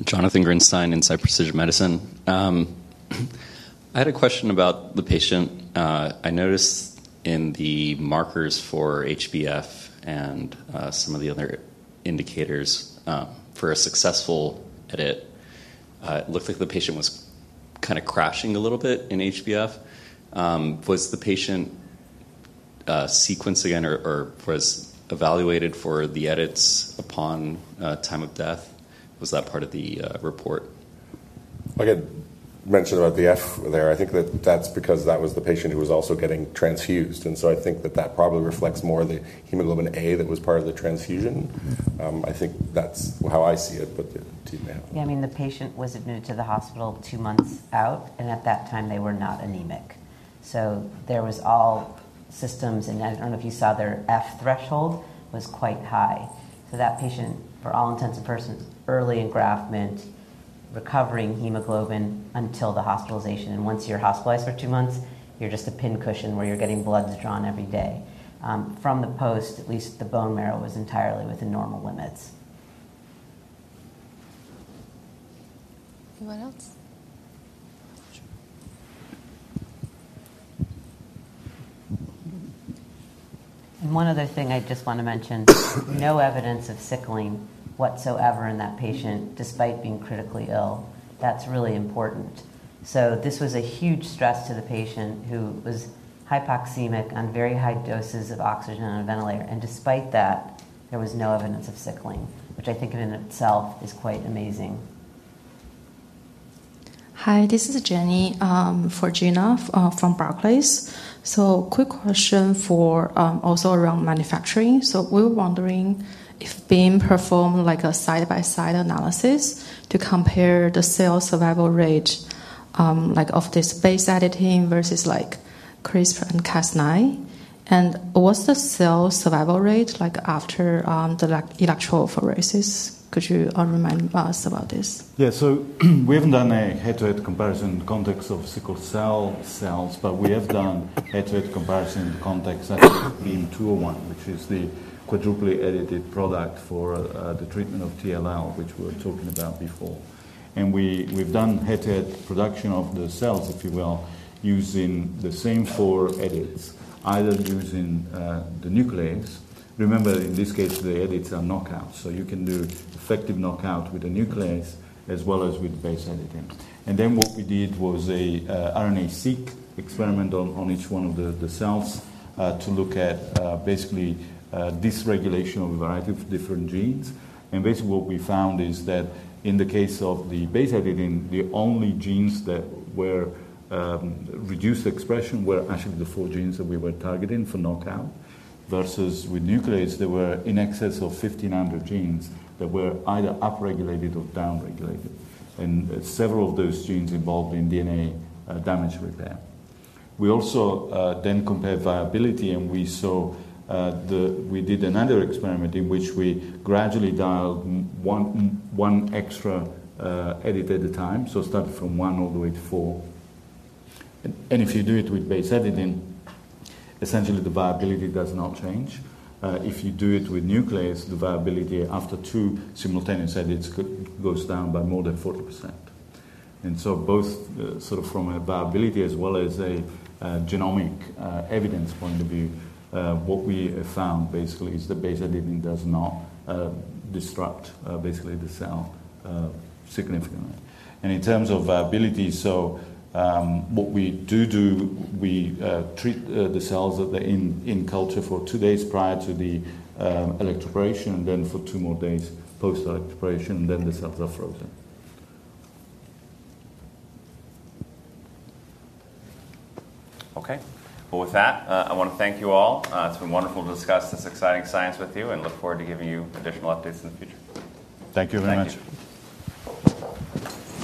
Jonathan Grinstein, Inside Precision Medicine. I had a question about the patient. I noticed in the markers for HbF and some of the other indicators for a successful edit, it looked like the patient was kind of crashing a little bit in HbF. Was the patient sequenced again or was evaluated for the edits upon time of death? Was that part of the report? I could mention about the F there. I think that that's because that was the patient who was also getting transfused. And so I think that that probably reflects more the hemoglobin A that was part of the transfusion. I think that's how I see it. Yeah, I mean, the patient was admitted to the hospital two months out. And at that time, they were not anemic. So there was all systems. And I don't know if you saw their F threshold was quite high. So that patient, for all intents and purposes, early engraftment, recovering hemoglobin until the hospitalization. And once you're hospitalized for two months, you're just a pin cushion where you're getting blood drawn every day. From the post, at least the bone marrow was entirely within normal limits. Anyone else? And one other thing I just want to mention. No evidence of sickling whatsoever in that patient despite being critically ill. That's really important. So this was a huge stress to the patient who was hypoxemic on very high doses of oxygen and a ventilator. And despite that, there was no evidence of sickling, which I think in itself is quite amazing. Hi, this is Gena Wang from Barclays. So quick question for also around manufacturing. So we were wondering if Beam performed like a side-by-side analysis to compare the cell survival rate of this base editing versus CRISPR and Cas9. And what's the cell survival rate after the electroporation? Could you remind us about this? Yeah, so we haven't done a head-to-head comparison in the context of sickle cell cells, but we have done head-to-head comparison in the context of BEAM-201, which is the quadruply edited product for the treatment of T-ALL, which we were talking about before, and we've done head-to-head production of the cells, if you will, using the same four edits, either using the nuclease. Remember, in this case, the edits are knockout. So you can do effective knockout with the nuclease as well as with base editing, and then what we did was an RNA-seq experiment on each one of the cells to look at basically dysregulation of a variety of different genes. Basically, what we found is that in the case of the base editing, the only genes that were reduced expression were actually the four genes that we were targeting for knockout. Versus with nuclease, there were in excess of 1,500 genes that were either upregulated or downregulated. Several of those genes involved in DNA damage repair. We also then compared viability. We did another experiment in which we gradually dialed one extra edit at a time. Started from one all the way to four. If you do it with base editing, essentially, the viability does not change. If you do it with nuclease, the viability after two simultaneous edits goes down by more than 40%. Both sort of from a viability as well as a genomic evidence point of view, what we have found basically is that base editing does not disrupt basically the cell significantly. In terms of viability, what we do, we treat the cells that are in culture for two days prior to the electroporation and then for two more days post-electroporation. The cells are frozen. OK, well, with that, I want to thank you all. It's been wonderful to discuss this exciting science with you and look forward to giving you additional updates in the future. Thank you very much.